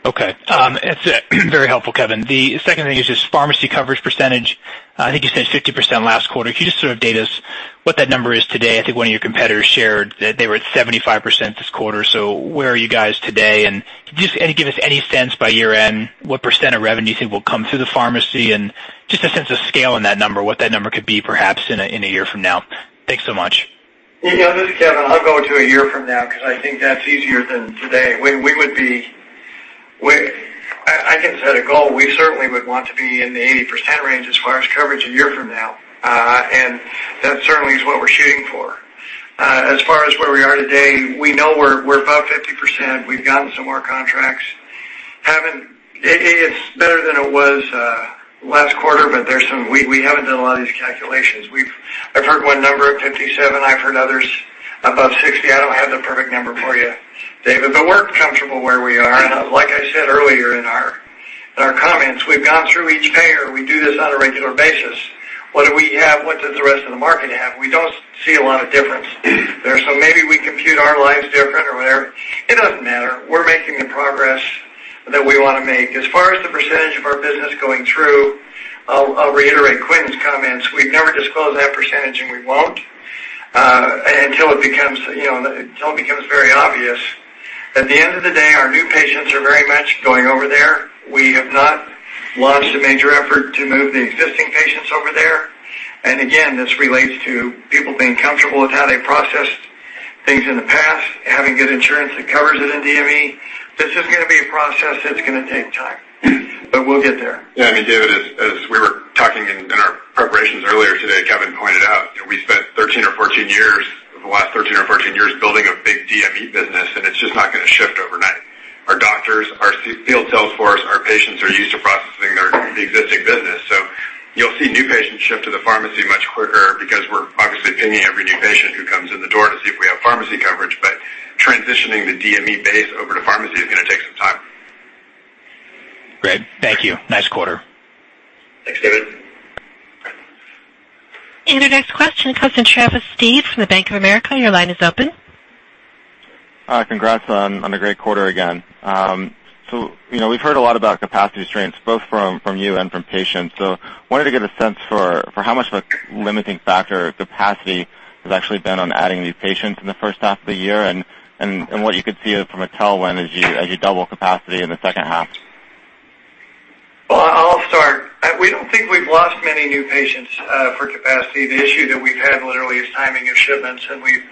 Okay. That's very helpful, Kevin. The second thing is just pharmacy coverage percentage. I think you said 50% last quarter. Can you just sort of date us what that number is today? I think one of your competitors shared that they were at 75% this quarter. Where are you guys today? Could you just give us any sense by year-end what percent of revenue you think will come through the pharmacy and just a sense of scale on that number, what that number could be perhaps in a year from now? Thanks so much. This is Kevin. I'll go to one year from now because I think that's easier than today. If I had to set a goal, we certainly would want to be in the 80% range as far as coverage one year from now. That certainly is what we're shooting for. As far as where we are today, we know we're above 50%. We've gotten some more contracts. It's better than it was last quarter, but we haven't done a lot of these calculations. I've heard one number of 57. I've heard others above 60. I don't have the perfect number for you, David, but we're comfortable where we are. Like I said earlier in our comments, we've gone through each payer. We do this on a regular basis. What do we have? What does the rest of the market have? We don't see a lot of difference there. Maybe we compute our lives different or whatever. It doesn't matter. We're making the progress that we want to make. As far as the percent of our business going through, I'll reiterate Quentin's comments. We've never disclosed that percent, and we won't, until it becomes very obvious. At the end of the day, our new patients are very much going over there. We have not launched a major effort to move the existing patients over there. Again, this relates to people being comfortable with how they processed things in the past, having good insurance that covers it in DME. This is going to be a process that's going to take time, but we'll get there. David, as we were talking in our preparations earlier today, Kevin pointed out we spent the last 13 or 14 years building a big DME business. It's just not going to shift overnight. Our doctors, our field sales force, our patients are used to processing the existing business. You'll see new patients shift to the pharmacy much quicker because we're obviously pinging every new patient who comes in the door to see if we have pharmacy coverage. Transitioning the DME base over to pharmacy is going to take some time. Great. Thank you. Nice quarter. Thanks, David. Your next question comes from Travis Steed from the Bank of America. Your line is open. Hi. Congrats on a great quarter again. We've heard a lot about capacity constraints, both from you and from patients. I wanted to get a sense for how much of a limiting factor capacity has actually been on adding new patients in the first half of the year and what you could see from a tailwind as you double capacity in the second half? Well, I'll start. We don't think we've lost many new patients for capacity. The issue that we've had literally is timing of shipments, and we've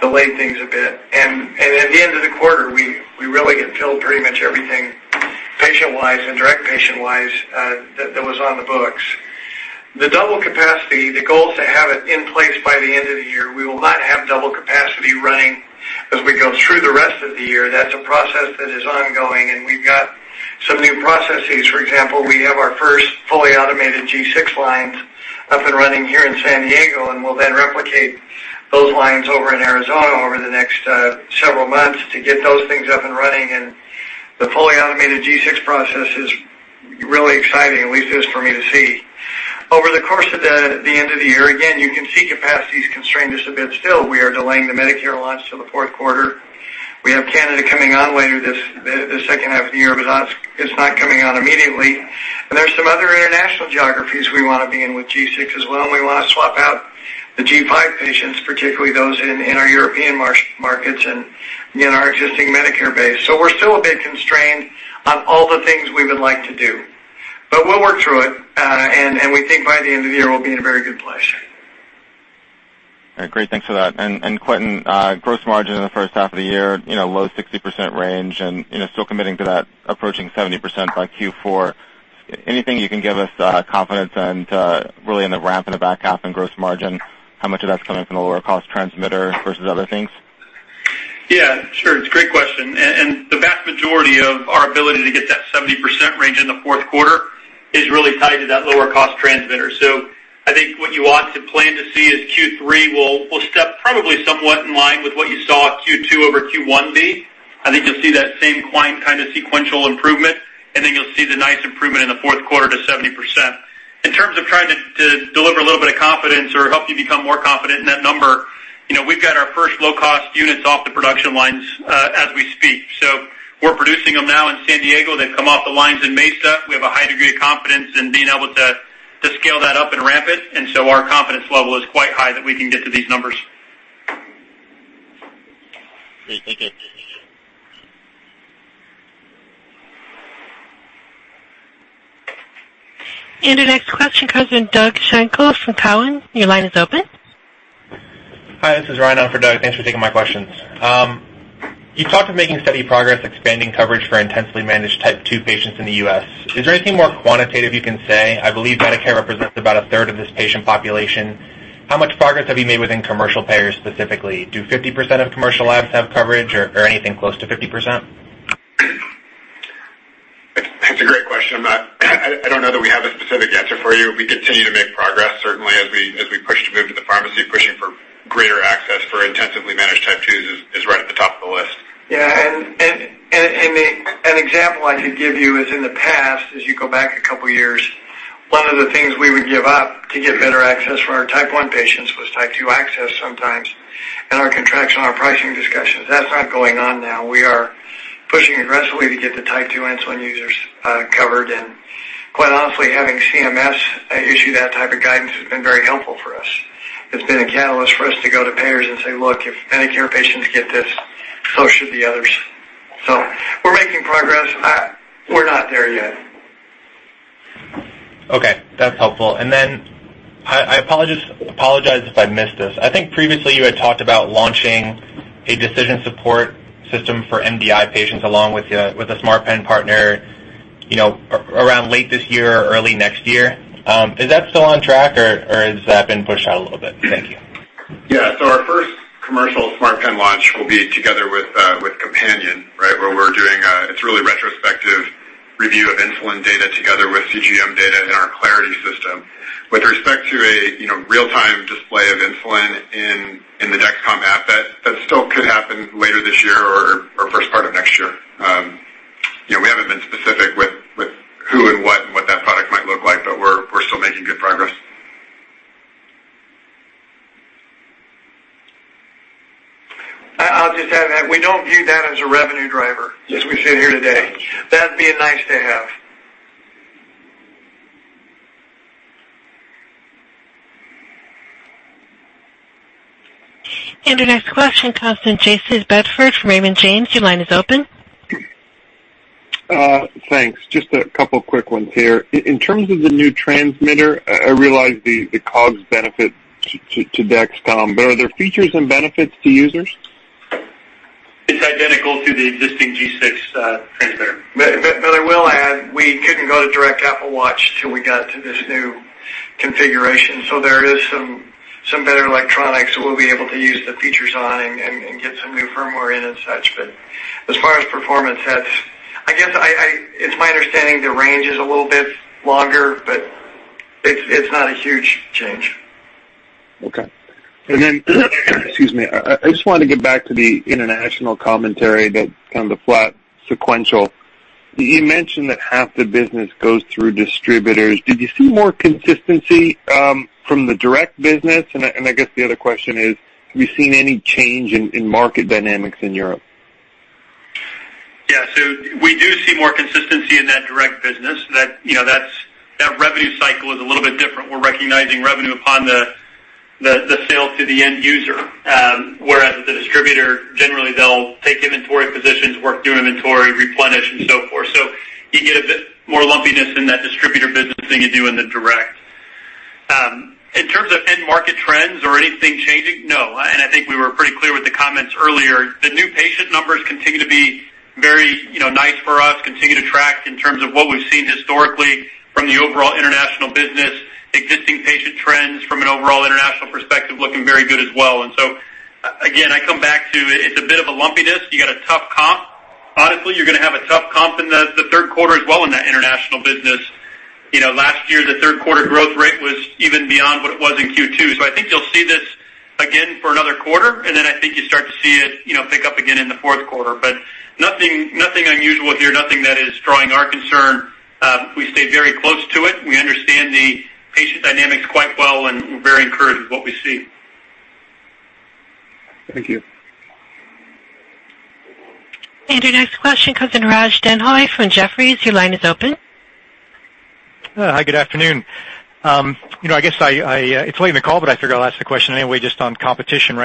delayed things a bit. At the end of the quarter, we really had filled pretty much everything patient-wise and direct patient-wise that was on the books. The double capacity, the goal is to have it in place by the end of the year. We will not have double capacity running as we go through the rest of the year. That's a process that is ongoing, and we've got some new processes. For example, we have our first fully automated G6 lines up and running here in San Diego, and we'll then replicate those lines over in Arizona over the next several months to get those things up and running. The fully automated G6 process is really exciting, at least it is for me to see. Over the course of the end of the year, again, you can see capacity has constrained us a bit still. We are delaying the Medicare launch till the fourth quarter. We have Canada coming on later this second half of the year, but it's not coming on immediately. There are some other international geographies we want to be in with G6 as well, and we want to swap out the G5 patients, particularly those in our European markets and in our existing Medicare base. We're still a bit constrained on all the things we would like to do. We'll work through it, and we think by the end of the year, we'll be in a very good place. Great. Thanks for that. Quentin, gross margin in the first half of the year, low 60% range and still committing to that approaching 70% by Q4. Anything you can give us confidence and really in the ramp in the back half and gross margin, how much of that's coming from the lower cost transmitter versus other things? Yeah, sure. It's a great question. The vast majority of our ability to get to that 70% range in the fourth quarter is really tied to that lower cost transmitter. I think what you ought to plan to see is Q3 will step probably somewhat in line with what you saw Q2 over Q1 be. I think you'll see that same kind of sequential improvement, and then you'll see the nice improvement in the fourth quarter to 70%. In terms of trying to deliver a little bit of confidence or help you become more confident in that number, we've got our first low-cost units off the production lines as we speak. We're producing them now in San Diego. They've come off the lines in Mesa. We have a high degree of confidence in being able to scale that up and ramp it. Our confidence level is quite high that we can get to these numbers. Great. Thank you. The next question comes from Doug Schenkel from Cowen. Your line is open. Hi, this is Ryan on for Doug. Thanks for taking my questions. You talked of making steady progress expanding coverage for intensely managed Type 2 patients in the U.S. Is there anything more quantitative you can say? I believe Medicare represents about a third of this patient population. How much progress have you made within commercial payers specifically? Do 50% of commercial labs have coverage or anything close to 50%? That's a great question. I don't know that we have a specific answer for you. We continue to make progress, certainly as we push to move to the pharmacy, pushing for greater access for intensively managed Type 2s is right at the top of the list. Yeah. An example I could give you is in the past, as you go back a couple of years, one of the things we would give up to get better access for our Type 1 patients was Type 2 access sometimes in our contracts, in our pricing discussions. That's not going on now. We are pushing aggressively to get the Type 2 insulin users covered, and quite honestly, having CMS issue that type of guidance has been very helpful for us. It's been a catalyst for us to go to payers and say, "Look, if Medicare patients get this, so should the others." We're making progress. We're not there yet. Okay. That's helpful. I apologize if I missed this. I think previously you had talked about launching a decision support system for MDI patients along with a smart pen partner around late this year or early next year. Is that still on track or has that been pushed out a little bit? Thank you. Yeah. Our first commercial smart pen launch will be together with Companion, where we're doing a retrospective review of insulin data together with CGM data in our Clarity system. With respect to a real-time display of insulin in the Dexcom app, that still could happen later this year or first part of next year. We haven't been specific with who and what that product might look like, we're still making good progress. I'll just add that we don't view that as a revenue driver as we sit here today. That'd be a nice to have. Our next question comes from Jayson Bedford from Raymond James. Your line is open. Thanks. Just a couple of quick ones here. In terms of the new transmitter, I realize the COGS benefit to Dexcom, but are there features and benefits to users? It's identical to the existing G6 transmitter. I will add, we couldn't go to direct Apple Watch till we got to this new configuration. There is some better electronics that we'll be able to use the features on and get some new firmware in and such. As far as performance, I guess it's my understanding the range is a little bit longer, but it's not a huge change. Okay. Excuse me. I just wanted to get back to the international commentary, that kind of the flat sequential. You mentioned that half the business goes through distributors. Did you see more consistency from the direct business? I guess the other question is, have you seen any change in market dynamics in Europe? Yeah. We do see more consistency in that direct business. That revenue cycle is a little bit different. We're recognizing revenue upon the sale to the end user. Whereas the distributor, generally they'll take inventory positions, work through inventory, replenish, and so forth. You get a bit more lumpiness in that distributor business than you do in the direct. In terms of end market trends or anything changing, no, and I think we were pretty clear with the comments earlier. The new patient numbers continue to be very nice for us, continue to track in terms of what we've seen historically from the overall international business. Existing patient trends from an overall international perspective looking very good as well. Again, I come back to it's a bit of a lumpiness. You got a tough comp. Honestly, you're going to have a tough comp in the third quarter as well in that international business. Last year, the third quarter growth rate was even beyond what it was in Q2. I think you'll see this again for another quarter, and then I think you start to see it pick up again in the fourth quarter. Nothing unusual here, nothing that is drawing our concern. We stay very close to it. We understand the patient dynamics quite well, and we're very encouraged with what we see. Thank you. Your next question comes in Raj Denhoy from Jefferies. Your line is open. Hi, good afternoon. I guess it's late in the call, but I figured I'll ask the question anyway, just on competition.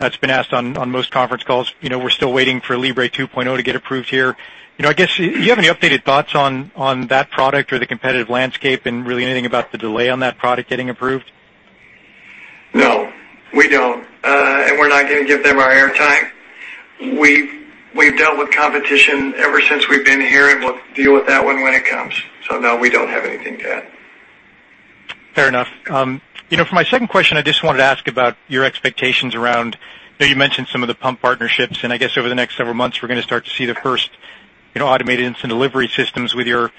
It's been asked on most conference calls. We're still waiting for Libre 2.0 to get approved here. I guess, you have any updated thoughts on that product or the competitive landscape, and really anything about the delay on that product getting approved? No, we don't. We're not going to give them our air time. We've dealt with competition ever since we've been here, and we'll deal with that one when it comes. No, we don't have anything, Pat. Fair enough. For my second question, I just wanted to ask about your expectations around. I know you mentioned some of the pump partnerships, I guess over the next several months, we're going to start to see the first automated insulin delivery systems with your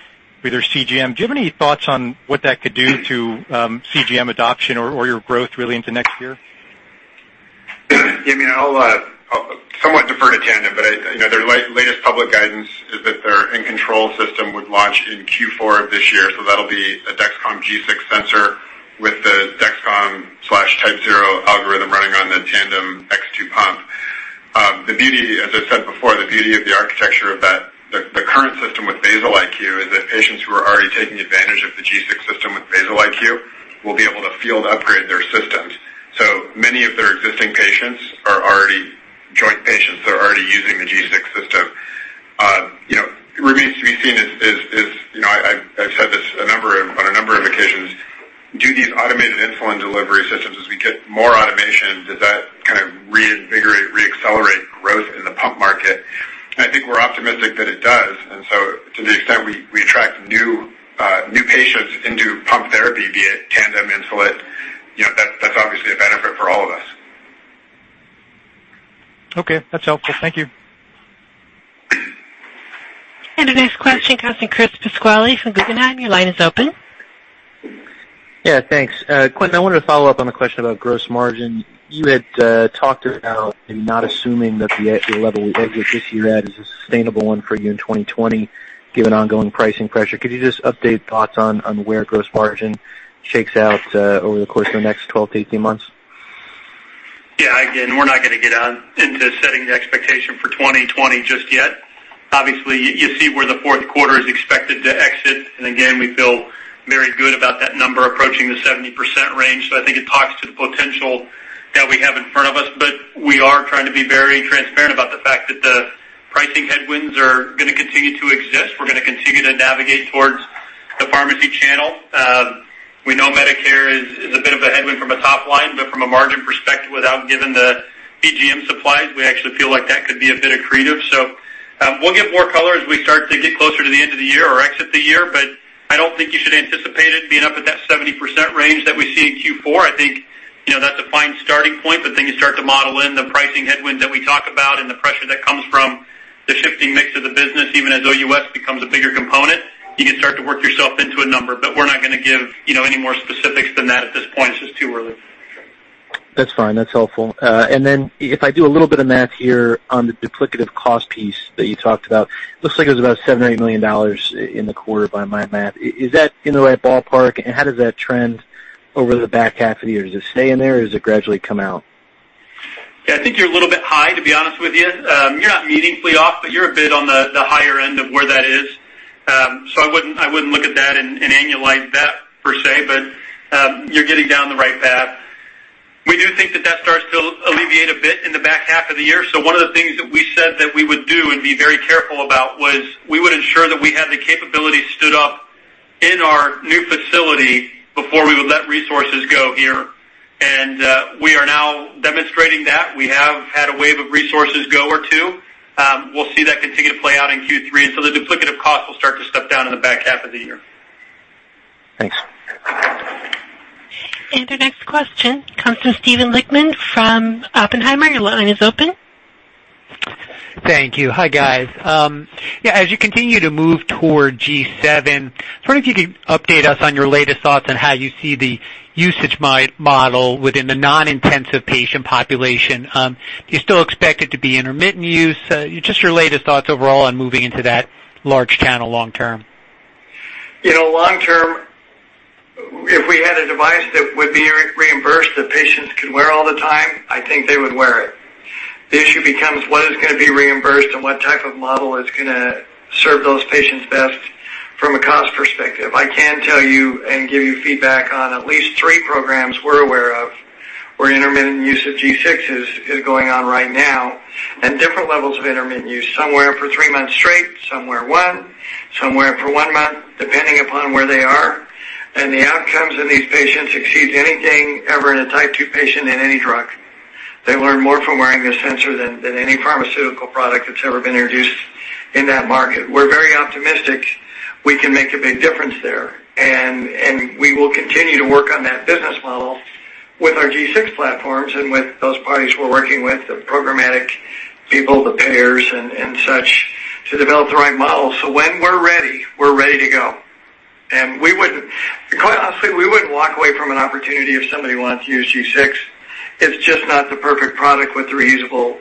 CGM. Do you have any thoughts on what that could do to CGM adoption or your growth really into next year? I mean, I'll somewhat defer to Tandem, but their latest public guidance is that their Control-IQ system would launch in Q4 of this year. That'll be a Dexcom G6 sensor with the Dexcom/TypeZero algorithm running on the t:slim X2 pump. As I said before, the beauty of the architecture of the current system with Basal-IQ is that patients who are already taking advantage of the G6 system with Basal-IQ will be able to field upgrade their systems. Many of their existing patients are already joint patients that are already using the G6 system. It remains to be seen, I've said this on a number of occasions. Do these automated insulin delivery systems, as we get more automation, does that kind of reinvigorate, re-accelerate growth in the pump market? I think we're optimistic that it does, and so to the extent we attract new patients into pump therapy, be it Tandem, Insulet, that's obviously a benefit for all of us. Okay, that's helpful. Thank you. The next question comes from Chris Pasquale from Guggenheim. Your line is open. Yeah, thanks. Quentin, I wanted to follow up on the question about gross margin. You had talked about not assuming that the level that you're at this year at is a sustainable one for you in 2020, given ongoing pricing pressure. Could you just update thoughts on where gross margin shakes out over the course of the next 12 to 18 months? Yeah, again, we're not going to get out into setting the expectation for 2020 just yet. Obviously, you see where the fourth quarter is expected to exit, and again, we feel very good about that number approaching the 70% range. I think it talks to the potential that we have in front of us. We are trying to be very transparent about the fact that the pricing headwinds are going to continue to exist. We're going to continue to navigate towards the pharmacy channel. We know Medicare is a bit of a headwind from a top line, but from a margin perspective, without giving the BGM supplies, we actually feel like that could be a bit accretive. We'll give more color as we start to get closer to the end of the year or exit the year, but I don't think you should anticipate it being up at that 70% range that we see in Q4. I think that's a fine starting point, but then you start to model in the pricing headwinds that we talk about and the pressure that comes from the shifting mix of the business, even as OUS becomes a bigger component. You can start to work yourself into a number. We're not going to give any more specifics than that at this point. It's just too early. That's fine. That's helpful. If I do a little bit of math here on the duplicative cost piece that you talked about, looks like it was about $7.8 million in the quarter by my math. Is that in the right ballpark? How does that trend over the back half of the year? Does it stay in there or does it gradually come out? Yeah, I think you're a little bit high, to be honest with you. You're not meaningfully off, but you're a bit on the higher end of where that is. I wouldn't look at that and annualize that per se, but you're getting down the right path. We do think that that starts to alleviate a bit in the back half of the year. One of the things that we said that we would do and be very careful about was we would ensure that we had the capability stood up in our new facility before we would let resources go here. We are now demonstrating that. We have had a wave of resources go or two. We'll see that continue to play out in Q3. The duplicative cost will start to step down in the back half of the year. Thanks. The next question comes from Steven Lichtman from Oppenheimer. Your line is open. Thank you. Hi, guys. Yeah, as you continue to move toward G7, I was wondering if you could update us on your latest thoughts on how you see the usage model within the non-intensive patient population. Do you still expect it to be intermittent use? Just your latest thoughts overall on moving into that large channel long term. Long term, if we had a device that would be reimbursed that patients could wear all the time, I think they would wear it. The issue becomes what is going to be reimbursed and what type of model is going to serve those patients best from a cost perspective. I can tell you and give you feedback on at least three programs we're aware of where intermittent use of G6 is going on right now, and different levels of intermittent use. Some wear it for three months straight, some wear it one, some wear it for one month, depending upon where they are. The outcomes in these patients exceeds anything ever in a Type 2 patient in any drug. They learn more from wearing this sensor than any pharmaceutical product that's ever been introduced in that market. We're very optimistic we can make a big difference there, and we will continue to work on that business model with our G6 platforms and with those parties we're working with, the programmatic people, the payers, and such, to develop the right model. When we're ready, we're ready to go. Quite honestly, we wouldn't walk away from an opportunity if somebody wants to use G6. It's just not the perfect product with the reusable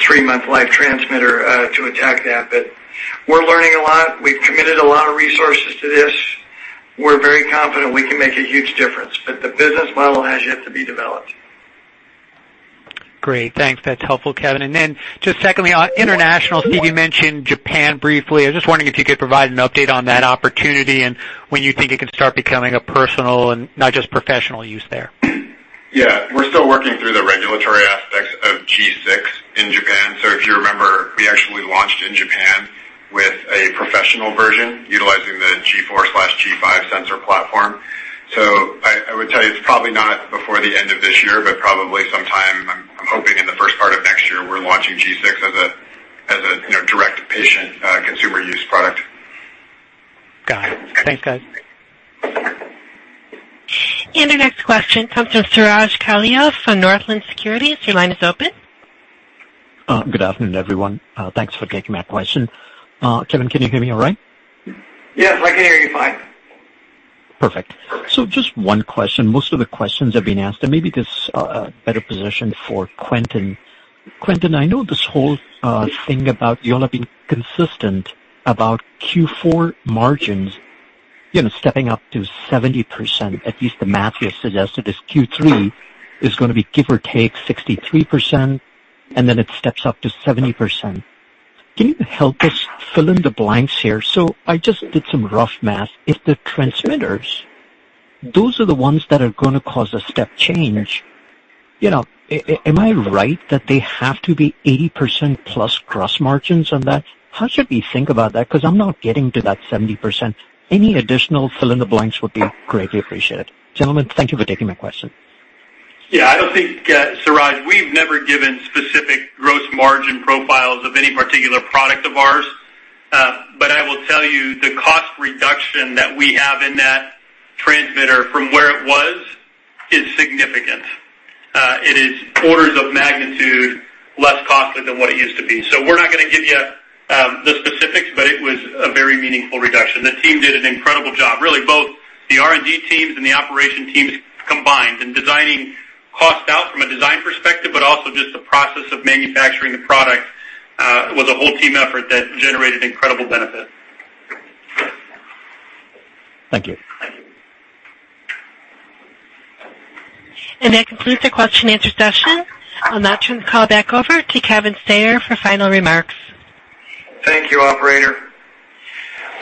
three-month live transmitter to attack that. We're learning a lot. We've committed a lot of resources to this. We're very confident we can make a huge difference, but the business model has yet to be developed. Great. Thanks. That's helpful, Kevin. Then just secondly on international, Steve, you mentioned Japan briefly. I was just wondering if you could provide an update on that opportunity and when you think it can start becoming a personal and not just professional use there. Yeah. We're still working through the regulatory aspects of G6 in Japan. If you remember, we actually launched in Japan a professional version utilizing the G4/G5 sensor platform. I would tell you it's probably not before the end of this year, but probably sometime, I'm hoping in the first part of next year, we're launching G6 as a direct patient consumer use product. Got it. Thanks, guys. Our next question comes from Suraj Kalia from Northland Securities. Your line is open. Good afternoon, everyone. Thanks for taking my question. Kevin, can you hear me all right? Yes, I can hear you fine. Perfect. Just one question. Most of the questions have been asked, maybe this is a better position for Quentin. Quentin, I know this whole thing about you all have been consistent about Q4 margins stepping up to 70%, at least the math you have suggested is Q3 is going to be give or take 63%, it steps up to 70%. Can you help us fill in the blanks here? I just did some rough math. If the transmitters, those are the ones that are going to cause a step change. Am I right that they have to be 80% plus gross margins on that? How should we think about that? I'm not getting to that 70%. Any additional fill in the blanks would be greatly appreciated. Gentlemen, thank you for taking my question. I don't think, Suraj, we've never given specific gross margin profiles of any particular product of ours. I will tell you, the cost reduction that we have in that transmitter from where it was is significant. It is orders of magnitude less costly than what it used to be. We're not going to give you the specifics, but it was a very meaningful reduction. The team did an incredible job. Really both the R&D teams and the operation teams combined in designing cost out from a design perspective, but also just the process of manufacturing the product was a whole team effort that generated incredible benefit. Thank you. That concludes the question and answer session. I'll now turn the call back over to Kevin Sayer for final remarks. Thank you, operator.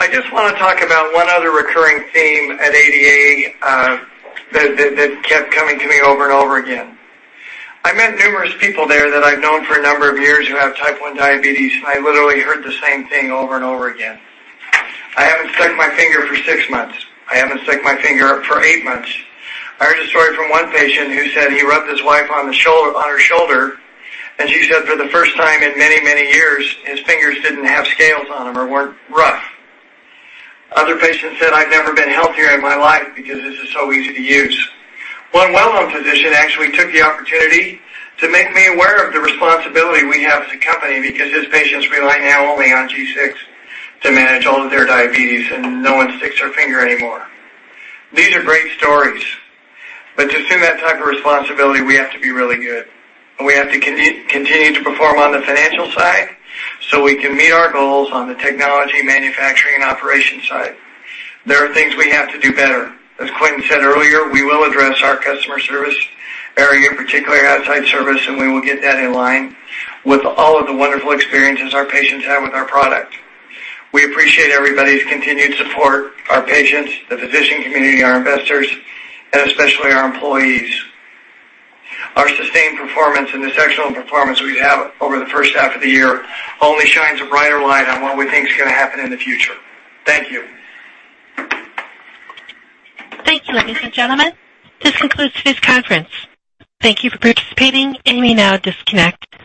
I just want to talk about one other recurring theme at ADA that kept coming to me over and over again. I met numerous people there that I've known for a number of years who have type 1 diabetes, and I literally heard the same thing over and over again. "I haven't stuck my finger for six months." "I haven't stuck my finger for eight months." I heard a story from one patient who said he rubbed his wife on her shoulder, and she said for the first time in many years, his fingers didn't have scales on them or weren't rough. Other patients said, "I've never been healthier in my life because this is so easy to use." One well-known physician actually took the opportunity to make me aware of the responsibility we have as a company because his patients rely now only on G6 to manage all of their diabetes, and no one sticks their finger anymore. To assume that type of responsibility, we have to be really good, and we have to continue to perform on the financial side so we can meet our goals on the technology, manufacturing, and operations side. There are things we have to do better. As Quentin said earlier, we will address our customer service area, particularly outside service, and we will get that in line with all of the wonderful experiences our patients have with our product. We appreciate everybody's continued support, our patients, the physician community, our investors, and especially our employees. Our sustained performance and the exceptional performance we have over the first half of the year only shines a brighter light on what we think is going to happen in the future. Thank you. Thank you, ladies and gentlemen. This concludes today's conference. Thank you for participating. You may now disconnect.